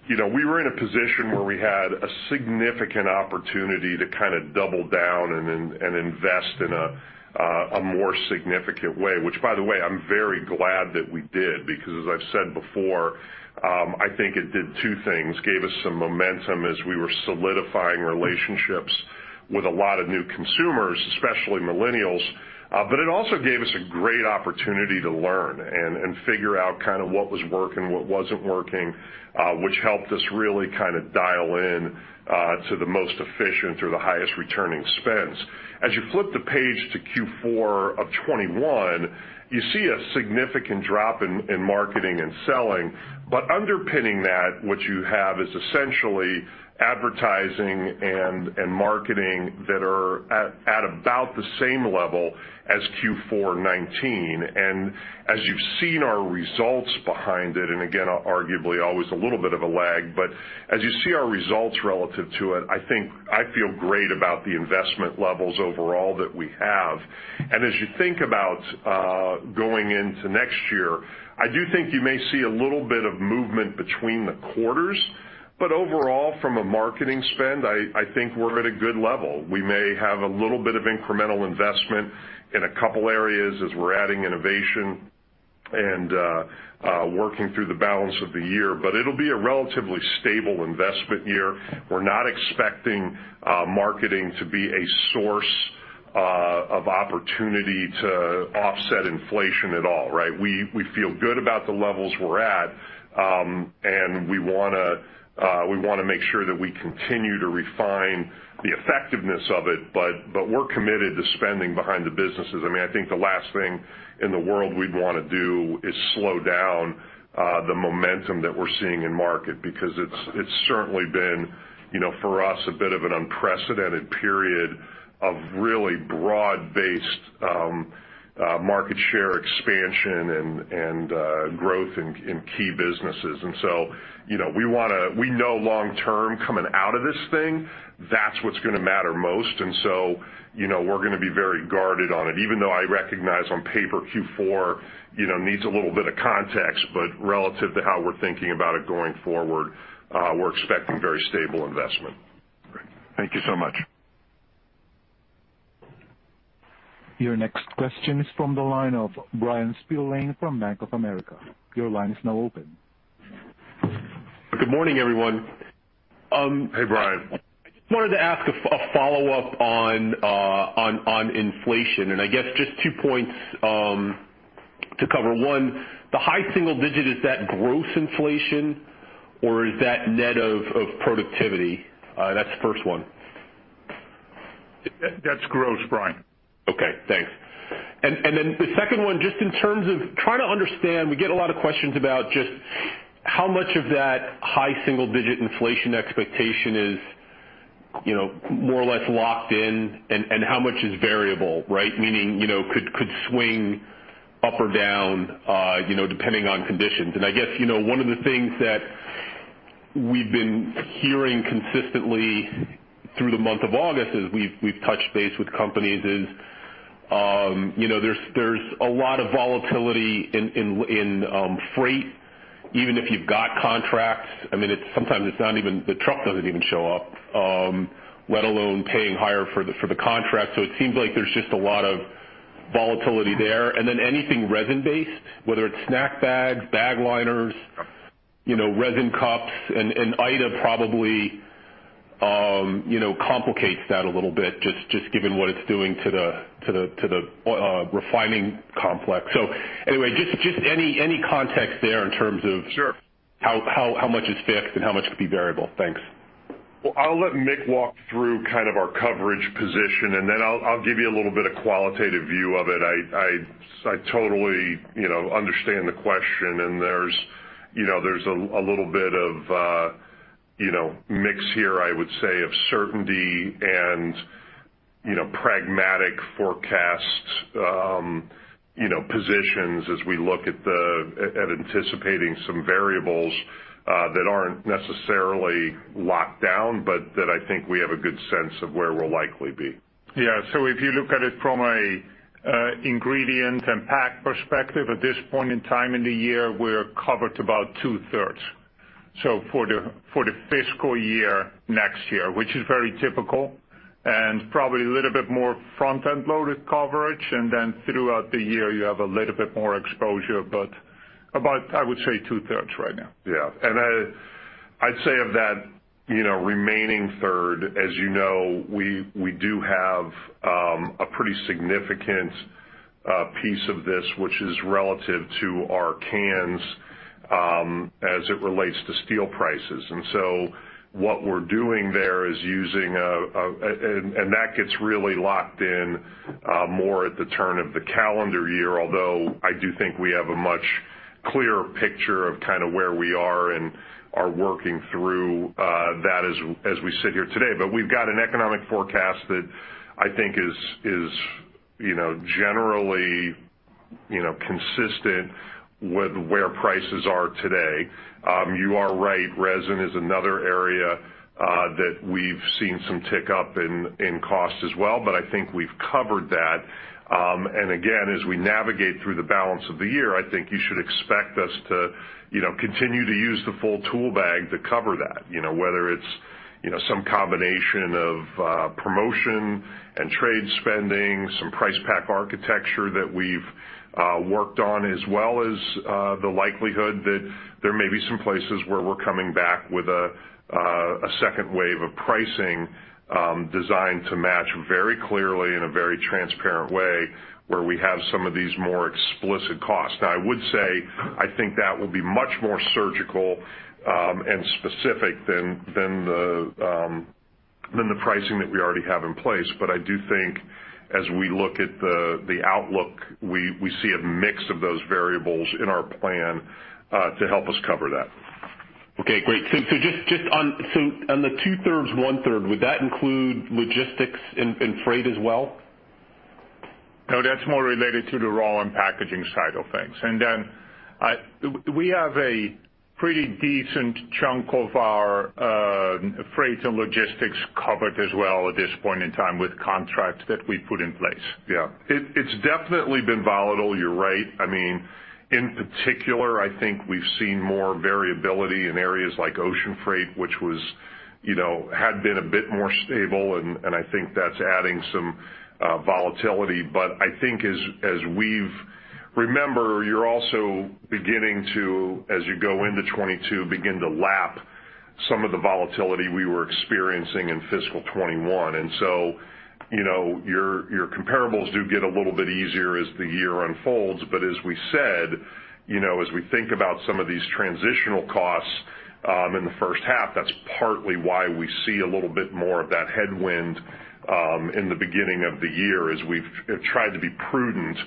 2020, we were in a position where we had a significant opportunity to double down and invest in a more significant way. By the way, I'm very glad that we did, because as I've said before, I think it did two things: gave us some momentum as we were solidifying relationships with a lot of new consumers, especially millennials. It also gave us a great opportunity to learn and figure out what was working, what wasn't working, which helped us really dial in to the most efficient or the highest returning spends. As you flip the page to Q4 of 2021, you see a significant drop in marketing and selling. Underpinning that, what you have is essentially advertising and marketing that are at about the same level as Q4 2019. As you've seen our results behind it, again, arguably always a little bit of a lag. As you see our results relative to it, I think I feel great about the investment levels overall that we have. As you think about going into next year, I do think you may see a little bit of movement between the quarters, but overall, from a marketing spend, I think we're at a good level. We may have a little bit of incremental investment in a couple areas as we're adding innovation and working through the balance of the year. It'll be a relatively stable investment year. We're not expecting marketing to be a source of opportunity to offset inflation at all, right? We feel good about the levels we're at, and we want to make sure that we continue to refine the effectiveness of it. We're committed to spending behind the businesses. I think the last thing in the world we'd want to do is slow down the momentum that we're seeing in market, because it's certainly been, for us, a bit of an unprecedented period of really broad-based market share expansion and growth in key businesses. We know long term coming out of this thing, that's what's going to matter most. We're going to be very guarded on it, even though I recognize on paper Q4 needs a little bit of context. Relative to how we're thinking about it going forward, we're expecting very stable investment. Great. Thank you so much. Your next question is from the line of Bryan Spillane from Bank of America. Good morning, everyone. Hey, Bryan. I just wanted to ask a follow-up on inflation. I guess just two points to cover. One, the high single-digit, is that gross inflation, or is that net of productivity? That's the first one. That's gross, Bryan. Okay, thanks. The second one, just in terms of trying to understand, we get a lot of questions about just how much of that high single-digit inflation expectation is more or less locked in and how much is variable, right? Meaning, could swing up or down depending on conditions. I guess one of the things that we've been hearing consistently through the month of August as we've touched base with companies is there's a lot of volatility in freight, even if you've got contracts. Sometimes the truck doesn't even show up, let alone paying higher for the contract. It seems like there's just a lot of volatility there. Anything resin-based, whether it's snack bags, bag liners, resin cups, and Ida probably complicates that a little bit, just given what it's doing to the refining complex. anyway, just any context there. Sure how much is fixed and how much could be variable. Thanks. Well, I'll let Mick walk through our coverage position, and then I'll give you a little bit of qualitative view of it. I totally understand the question, there's a little bit of mix here, I would say, of certainty and pragmatic forecast positions as we look at anticipating some variables that aren't necessarily locked down, but that I think we have a good sense of where we'll likely be. Yeah. If you look at it from a ingredient and pack perspective, at this point in time in the year, we're covered about two-thirds. For the fiscal year next year, which is very typical, and probably a little bit more front-end loaded coverage, and then throughout the year, you have a little bit more exposure, but about, I would say, two-thirds right now. Yeah. I'd say of that remaining third, as you know, we do have a pretty significant piece of this, which is relative to our cans, as it relates to steel prices. What we're doing there is using and that gets really locked in more at the turn of the calendar year, although I do think we have a much clearer picture of kind of where we are and are working through that as we sit here today. We've got an economic forecast that I think is generally consistent with where prices are today. You are right, resin is another area that we've seen some tick up in cost as well, but I think we've covered that. Again, as we navigate through the balance of the year, I think you should expect us to continue to use the full tool bag to cover that. Whether it's some combination of promotion and trade spending, some price pack architecture that we've worked on, as well as the likelihood that there may be some places where we're coming back with a second wave of pricing, designed to match very clearly in a very transparent way, where we have some of these more explicit costs. I would say I think that will be much more surgical and specific than the pricing that we already have in place. I do think as we look at the outlook, we see a mix of those variables in our plan to help us cover that. Okay, great. Just on the two-thirds, one-third, would that include logistics and freight as well? No, that's more related to the raw and packaging side of things. Then we have a pretty decent chunk of our freight and logistics covered as well at this point in time with contracts that we've put in place. Yeah. It's definitely been volatile, you're right. In particular, I think we've seen more variability in areas like ocean freight, which had been a bit more stable, and I think that's adding some volatility. Remember, you're also beginning to, as you go into 2022, begin to lap some of the volatility we were experiencing in fiscal 2021. Your comparables do get a little bit easier as the year unfolds. As we said, as we think about some of these transitional costs in the first half, that's partly why we see a little bit more of that headwind in the beginning of the year, as we've tried to be prudent in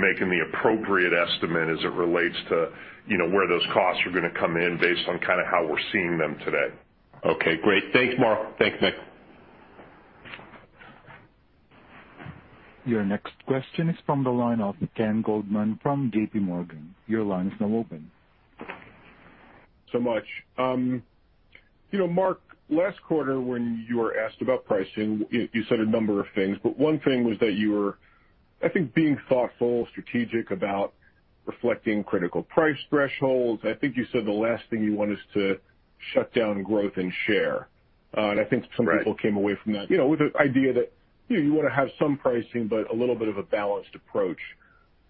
making the appropriate estimate as it relates to where those costs are going to come in based on kind of how we're seeing them today. Okay, great. Thanks, Mark. Thanks, Mick. Your next question is from the line of Ken Goldman from JPMorgan. Your line is now open. So much. Mark, last quarter, when you were asked about pricing, you said a number of things, but one thing was that you were, I think, being thoughtful, strategic about reflecting critical price thresholds. I think you said the last thing you want is to shut down growth and share. Right. I think some people came away from that with the idea that you want to have some pricing, but a little bit of a balanced approach.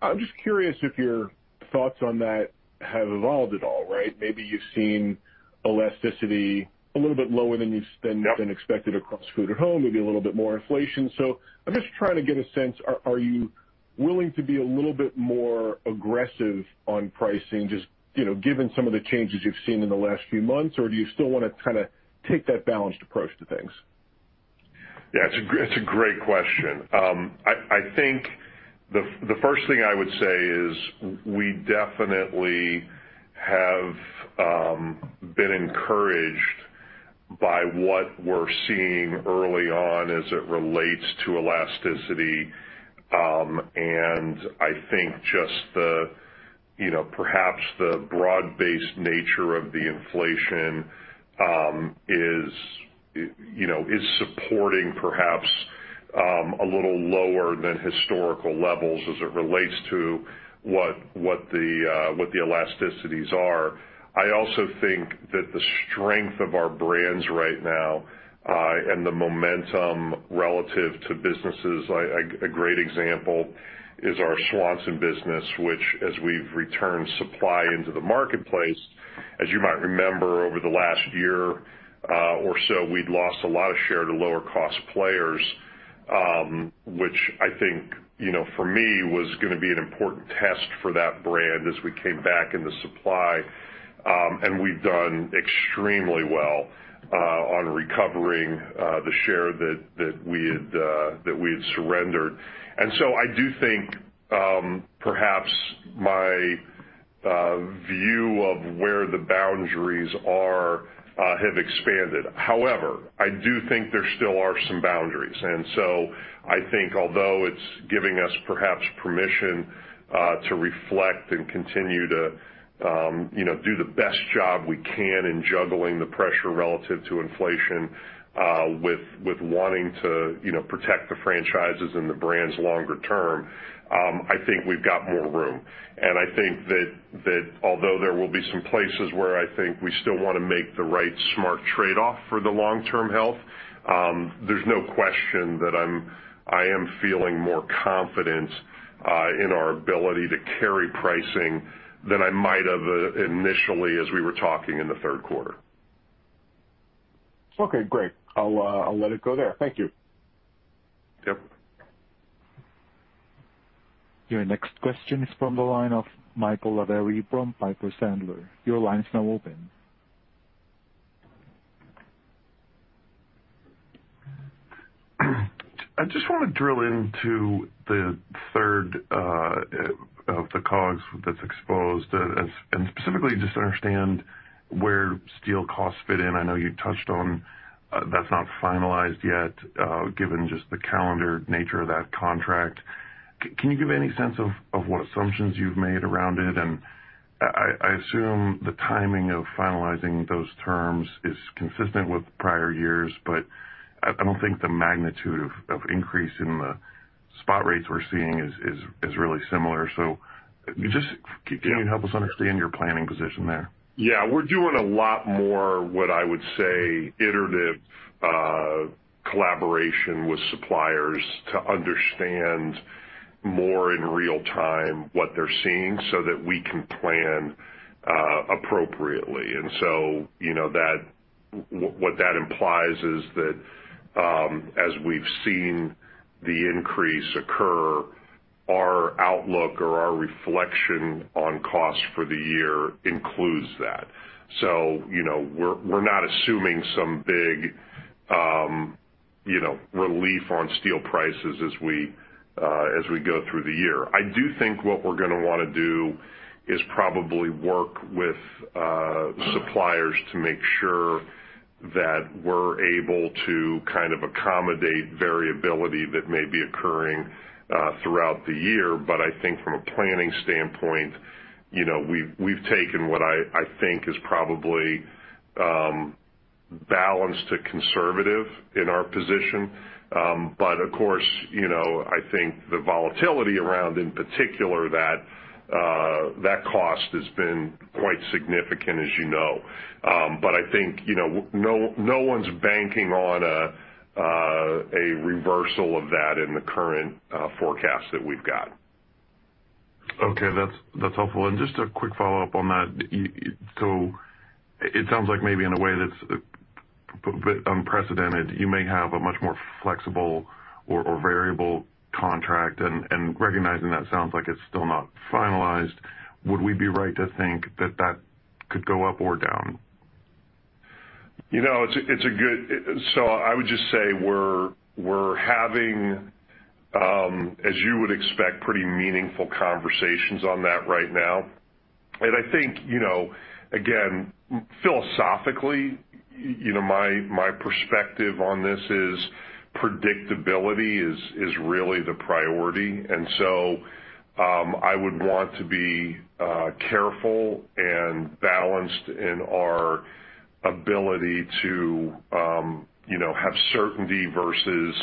I'm just curious if your thoughts on that have evolved at all, right? Maybe you've seen elasticity a little bit lower than you've Yep than expected across Food at Home, maybe a little bit more inflation. I'm just trying to get a sense, are you willing to be a little bit more aggressive on pricing, just given some of the changes you've seen in the last few months, or do you still want to kind of take that balanced approach to things? It's a great question. I think the first thing I would say is, we definitely have been encouraged by what we're seeing early on as it relates to elasticity. I think just perhaps the broad-based nature of the inflation is supporting perhaps a little lower than historical levels as it relates to what the elasticities are. I also think that the strength of our brands right now, and the momentum relative to businesses, a great example is our Swanson business, which as we've returned supply into the marketplace, as you might remember over the last year or so, we'd lost a lot of share to lower cost players, which I think for me, was going to be an important test for that brand as we came back into supply. We've done extremely well on recovering the share that we had surrendered. I do think perhaps my view of where the boundaries are have expanded. However, I do think there still are some boundaries. I think although it's giving us perhaps permission to reflect and continue to do the best job we can in juggling the pressure relative to inflation, with wanting to protect the franchises and the brands longer term, I think we've got more room. I think that although there will be some places where I think we still want to make the right smart trade-off for the long-term health, there's no question that I am feeling more confident in our ability to carry pricing than I might have initially as we were talking in the third quarter. Okay, great. I'll let it go there. Thank you. Yep. Your next question is from the line of Michael Lavery from Piper Sandler. Your line is now open. I just want to drill into the third of the COGS that's exposed and specifically just understand where steel costs fit in. I know you touched on that's not finalized yet, given just the calendar nature of that contract. Can you give any sense of what assumptions you've made around it? I assume the timing of finalizing those terms is consistent with prior years, but I don't think the magnitude of increase in the spot rates we're seeing is really similar. Can you help us understand your planning position there? Yeah. We're doing a lot more, what I would say, iterative collaboration with suppliers to understand more in real time what they're seeing so that we can plan appropriately. What that implies is that as we've seen the increase occur, our outlook or our reflection on cost for the year includes that. We're not assuming some big relief on steel prices as we go through the year. I do think what we're going to want to do is probably work with suppliers to make sure that we're able to kind of accommodate variability that may be occurring throughout the year. I think from a planning standpoint, we've taken what I think is probably balanced to conservative in our position. Of course, I think the volatility around, in particular that cost has been quite significant, as you know. I think no one's banking on a reversal of that in the current forecast that we've got. Okay. That's helpful. Just a quick follow-up on that. It sounds like maybe in a way that's a bit unprecedented, you may have a much more flexible or variable contract, and recognizing that sounds like it's still not finalized. Would we be right to think that that could go up or down? I would just say we're having, as you would expect, pretty meaningful conversations on that right now. I think, again, philosophically, my perspective on this is predictability is really the priority. I would want to be careful and balanced in our ability to have certainty versus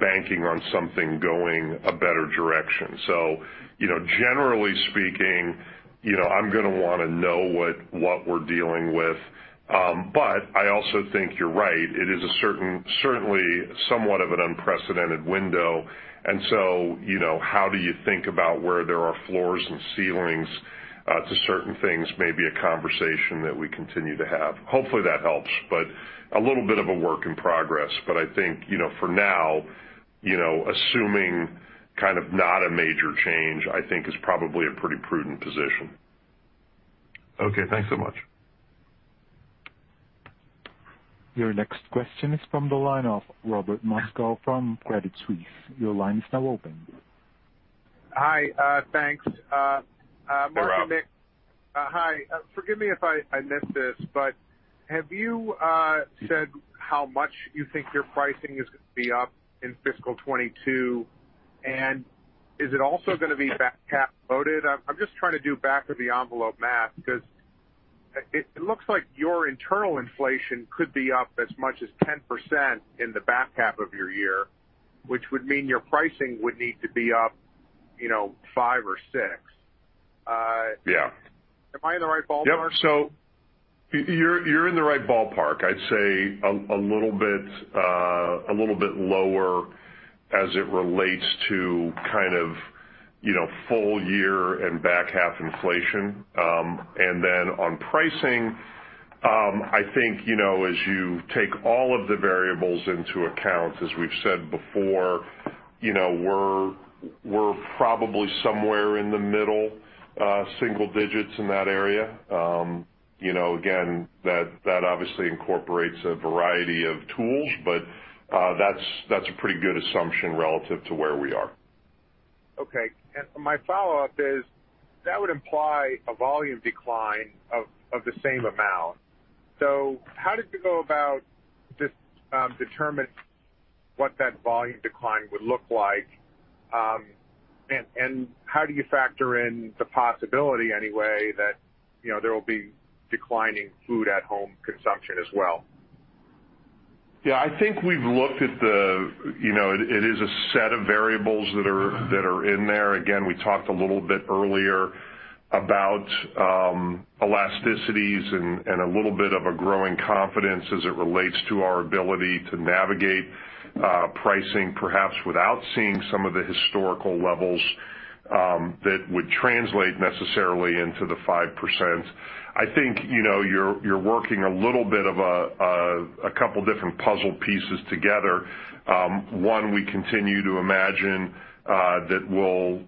banking on something going a better direction. Generally speaking, I'm going to want to know what we're dealing with. I also think you're right. It is certainly somewhat of an unprecedented window. How do you think about where there are floors and ceilings to certain things may be a conversation that we continue to have. Hopefully that helps, but a little bit of a work in progress. I think, for now, assuming kind of not a major change, I think is probably a pretty prudent position. Okay. Thanks so much. Your next question is from the line of Robert Moskow from Credit Suisse. Your line is now open. Hi. Thanks. Hey, Rob. Mark and Mick. Hi. Forgive me if I missed this, have you said how much you think your pricing is going to be up in fiscal 2022? Is it also going to be back-half loaded? I'm just trying to do back of the envelope math because it looks like your internal inflation could be up as much as 10% in the back half of your year, which would mean your pricing would need to be up 5% or 6%. Yeah. Am I in the right ballpark? Yep. You're in the right ballpark. I'd say a little bit lower as it relates to kind of full year and back half inflation. On pricing, I think, as you take all of the variables into account, as we've said before, we're probably somewhere in the middle, single digits in that area. Again, that obviously incorporates a variety of tools, but that's a pretty good assumption relative to where we are. Okay. My follow-up is that would imply a volume decline of the same amount. How did you go about determining what that volume decline would look like? How do you factor in the possibility anyway that there will be declining food at home consumption as well? Yeah, I think we've looked at it is a set of variables that are in there. We talked a little bit earlier about elasticities and a little bit of a growing confidence as it relates to our ability to navigate pricing, perhaps without seeing some of the historical levels that would translate necessarily into the 5%. I think, you're working a little bit of 2 different puzzle pieces together. One, we continue to imagine that we'll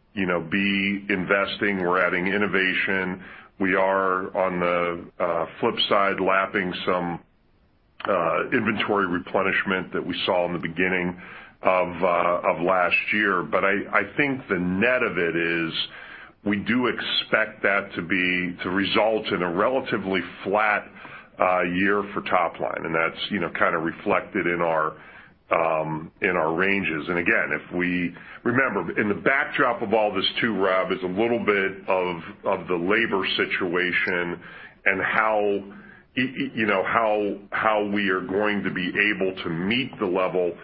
be investing. We're adding innovation. We are, on the flip side, lapping some inventory replenishment that we saw in the beginning of last year. I think the net of it is we do expect that to result in a relatively flat year for top line, and that's kind of reflected in our ranges. Again, remember, in the backdrop of all this too, Rob, is a little bit of the labor situation and how we are going to be able to meet the level of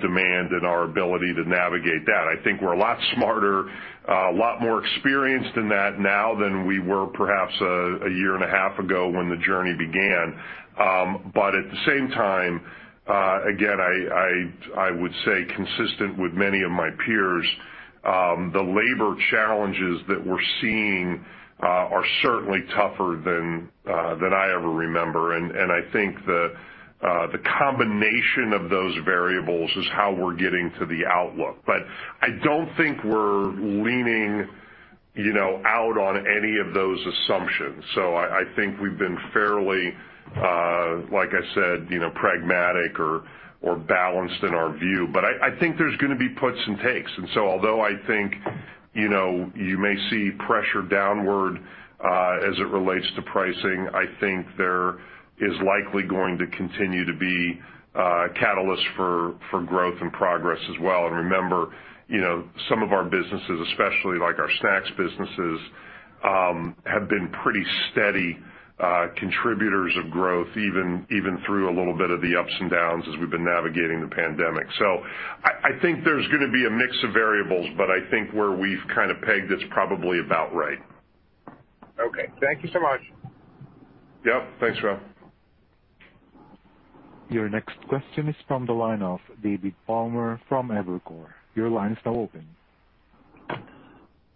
demand and our ability to navigate that. I think we're a lot smarter, a lot more experienced in that now than we were perhaps a year and a half ago when the journey began. At the same time, again, I would say, consistent with many of my peers, the labor challenges that we're seeing are certainly tougher than I ever remember. I think the combination of those variables is how we're getting to the outlook. I don't think we're leaning out on any of those assumptions. I think we've been fairly, like I said, pragmatic or balanced in our view. I think there's going to be puts and takes. Although I think you may see pressure downward as it relates to pricing, I think there is likely going to continue to be a catalyst for growth and progress as well. Remember, some of our businesses, especially like our snacks businesses, have been pretty steady contributors of growth, even through a little bit of the ups and downs as we've been navigating the pandemic. I think there's going to be a mix of variables, but I think where we've kind of pegged, it's probably about right. Okay. Thank you so much. Yep. Thanks, Rob. Your next question is from the line of David Palmer from Evercore. Your line is now open.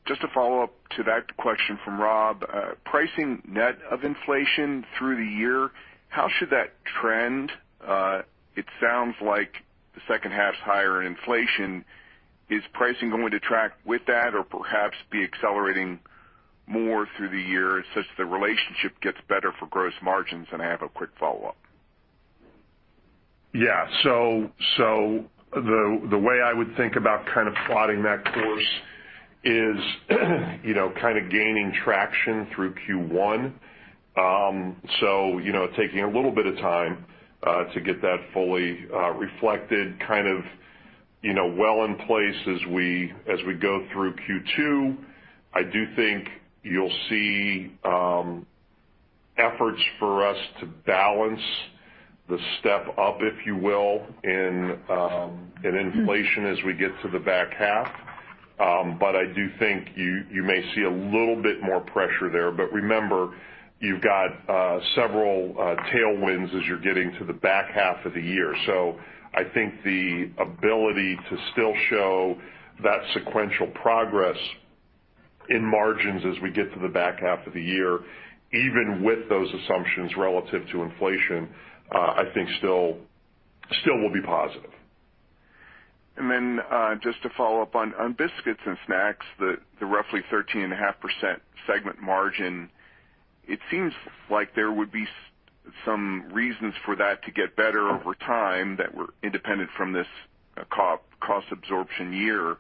Just a follow-up to that question from Rob. Pricing net of inflation through the year, how should that trend? It sounds like the second half's higher in inflation. Is pricing going to track with that or perhaps be accelerating more through the year such that the relationship gets better for gross margins? I have a quick follow-up. Yeah. The way I would think about plotting that course is kind of gaining traction through Q1. Taking a little bit of time to get that fully reflected well in place as we go through Q2. I do think you'll see efforts for us to balance the step up, if you will, in inflation as we get to the back half. I do think you may see a little bit more pressure there. Remember, you've got several tailwinds as you're getting to the back half of the year. I think the ability to still show that sequential progress in margins as we get to the back half of the year, even with those assumptions relative to inflation, I think still will be positive. Just to follow up on biscuits and snacks, the roughly 13.5% segment margin, it seems like there would be some reasons for that to get better over time that were independent from this cost absorption year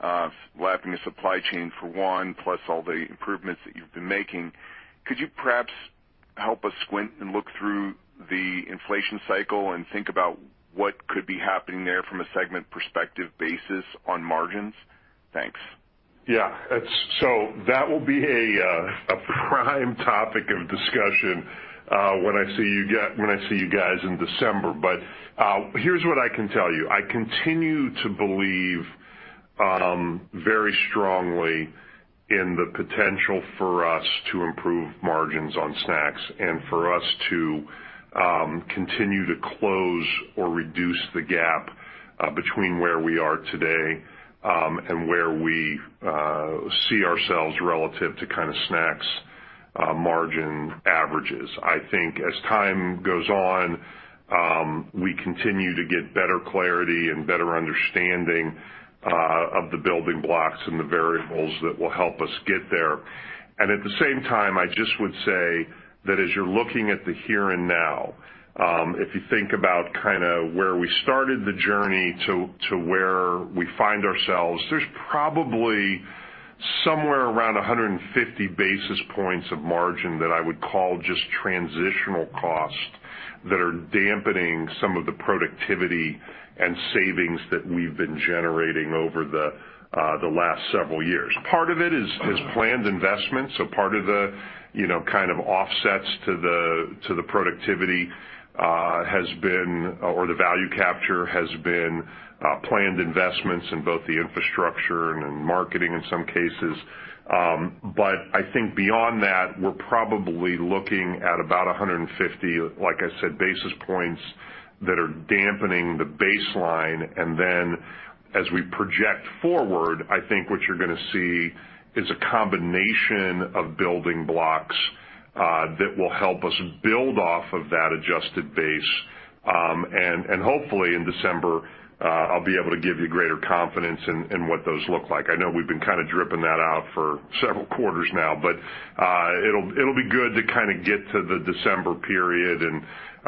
of lapping a supply chain for one, plus all the improvements that you've been making. Could you perhaps help us squint and look through the inflation cycle and think about what could be happening there from a segment perspective basis on margins? Thanks. Yeah. That will be a prime topic of discussion when I see you guys in December. Here's what I can tell you. I continue to believe very strongly in the potential for us to improve margins on snacks and for us to continue to close or reduce the gap between where we are today and where we see ourselves relative to kind of snacks margin averages. I think as time goes on, we continue to get better clarity and better understanding of the building blocks and the variables that will help us get there. At the same time, I just would say that as you're looking at the here and now, if you think about where we started the journey to where we find ourselves, there's probably somewhere around 150 basis points of margin that I would call just transitional costs that are dampening some of the productivity and savings that we've been generating over the last several years. Part of it is planned investments. Part of the kind of offsets to the productivity or the value capture has been planned investments in both the infrastructure and in marketing in some cases. I think beyond that, we're probably looking at about 150, like I said, basis points that are dampening the baseline. Then as we project forward, I think what you're going to see is a combination of building blocks that will help us build off of that adjusted base. Hopefully, in December, I'll be able to give you greater confidence in what those look like. I know we've been kind of dripping that out for several quarters now, but it'll be good to get to the December period.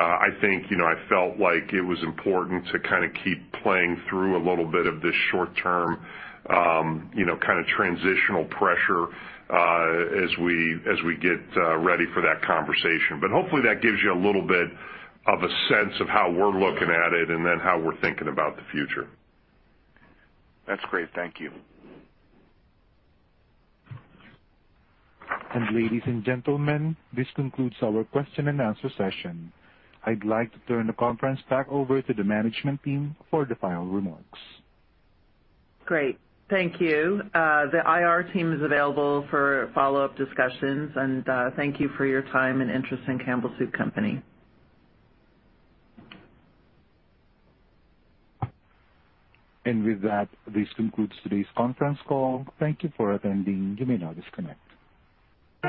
I think I felt like it was important to kind of keep playing through a little bit of this short term, kind of transitional pressure as we get ready for that conversation. Hopefully, that gives you a little bit of a sense of how we're looking at it and then how we're thinking about the future. That's great. Thank you. Ladies and gentlemen, this concludes our question and answer session. I'd like to turn the conference back over to the management team for the final remarks. Great. Thank you. The IR team is available for follow-up discussions, and thank you for your time and interest in Campbell Soup Company. With that, this concludes today's conference call. Thank you for attending. You may now disconnect.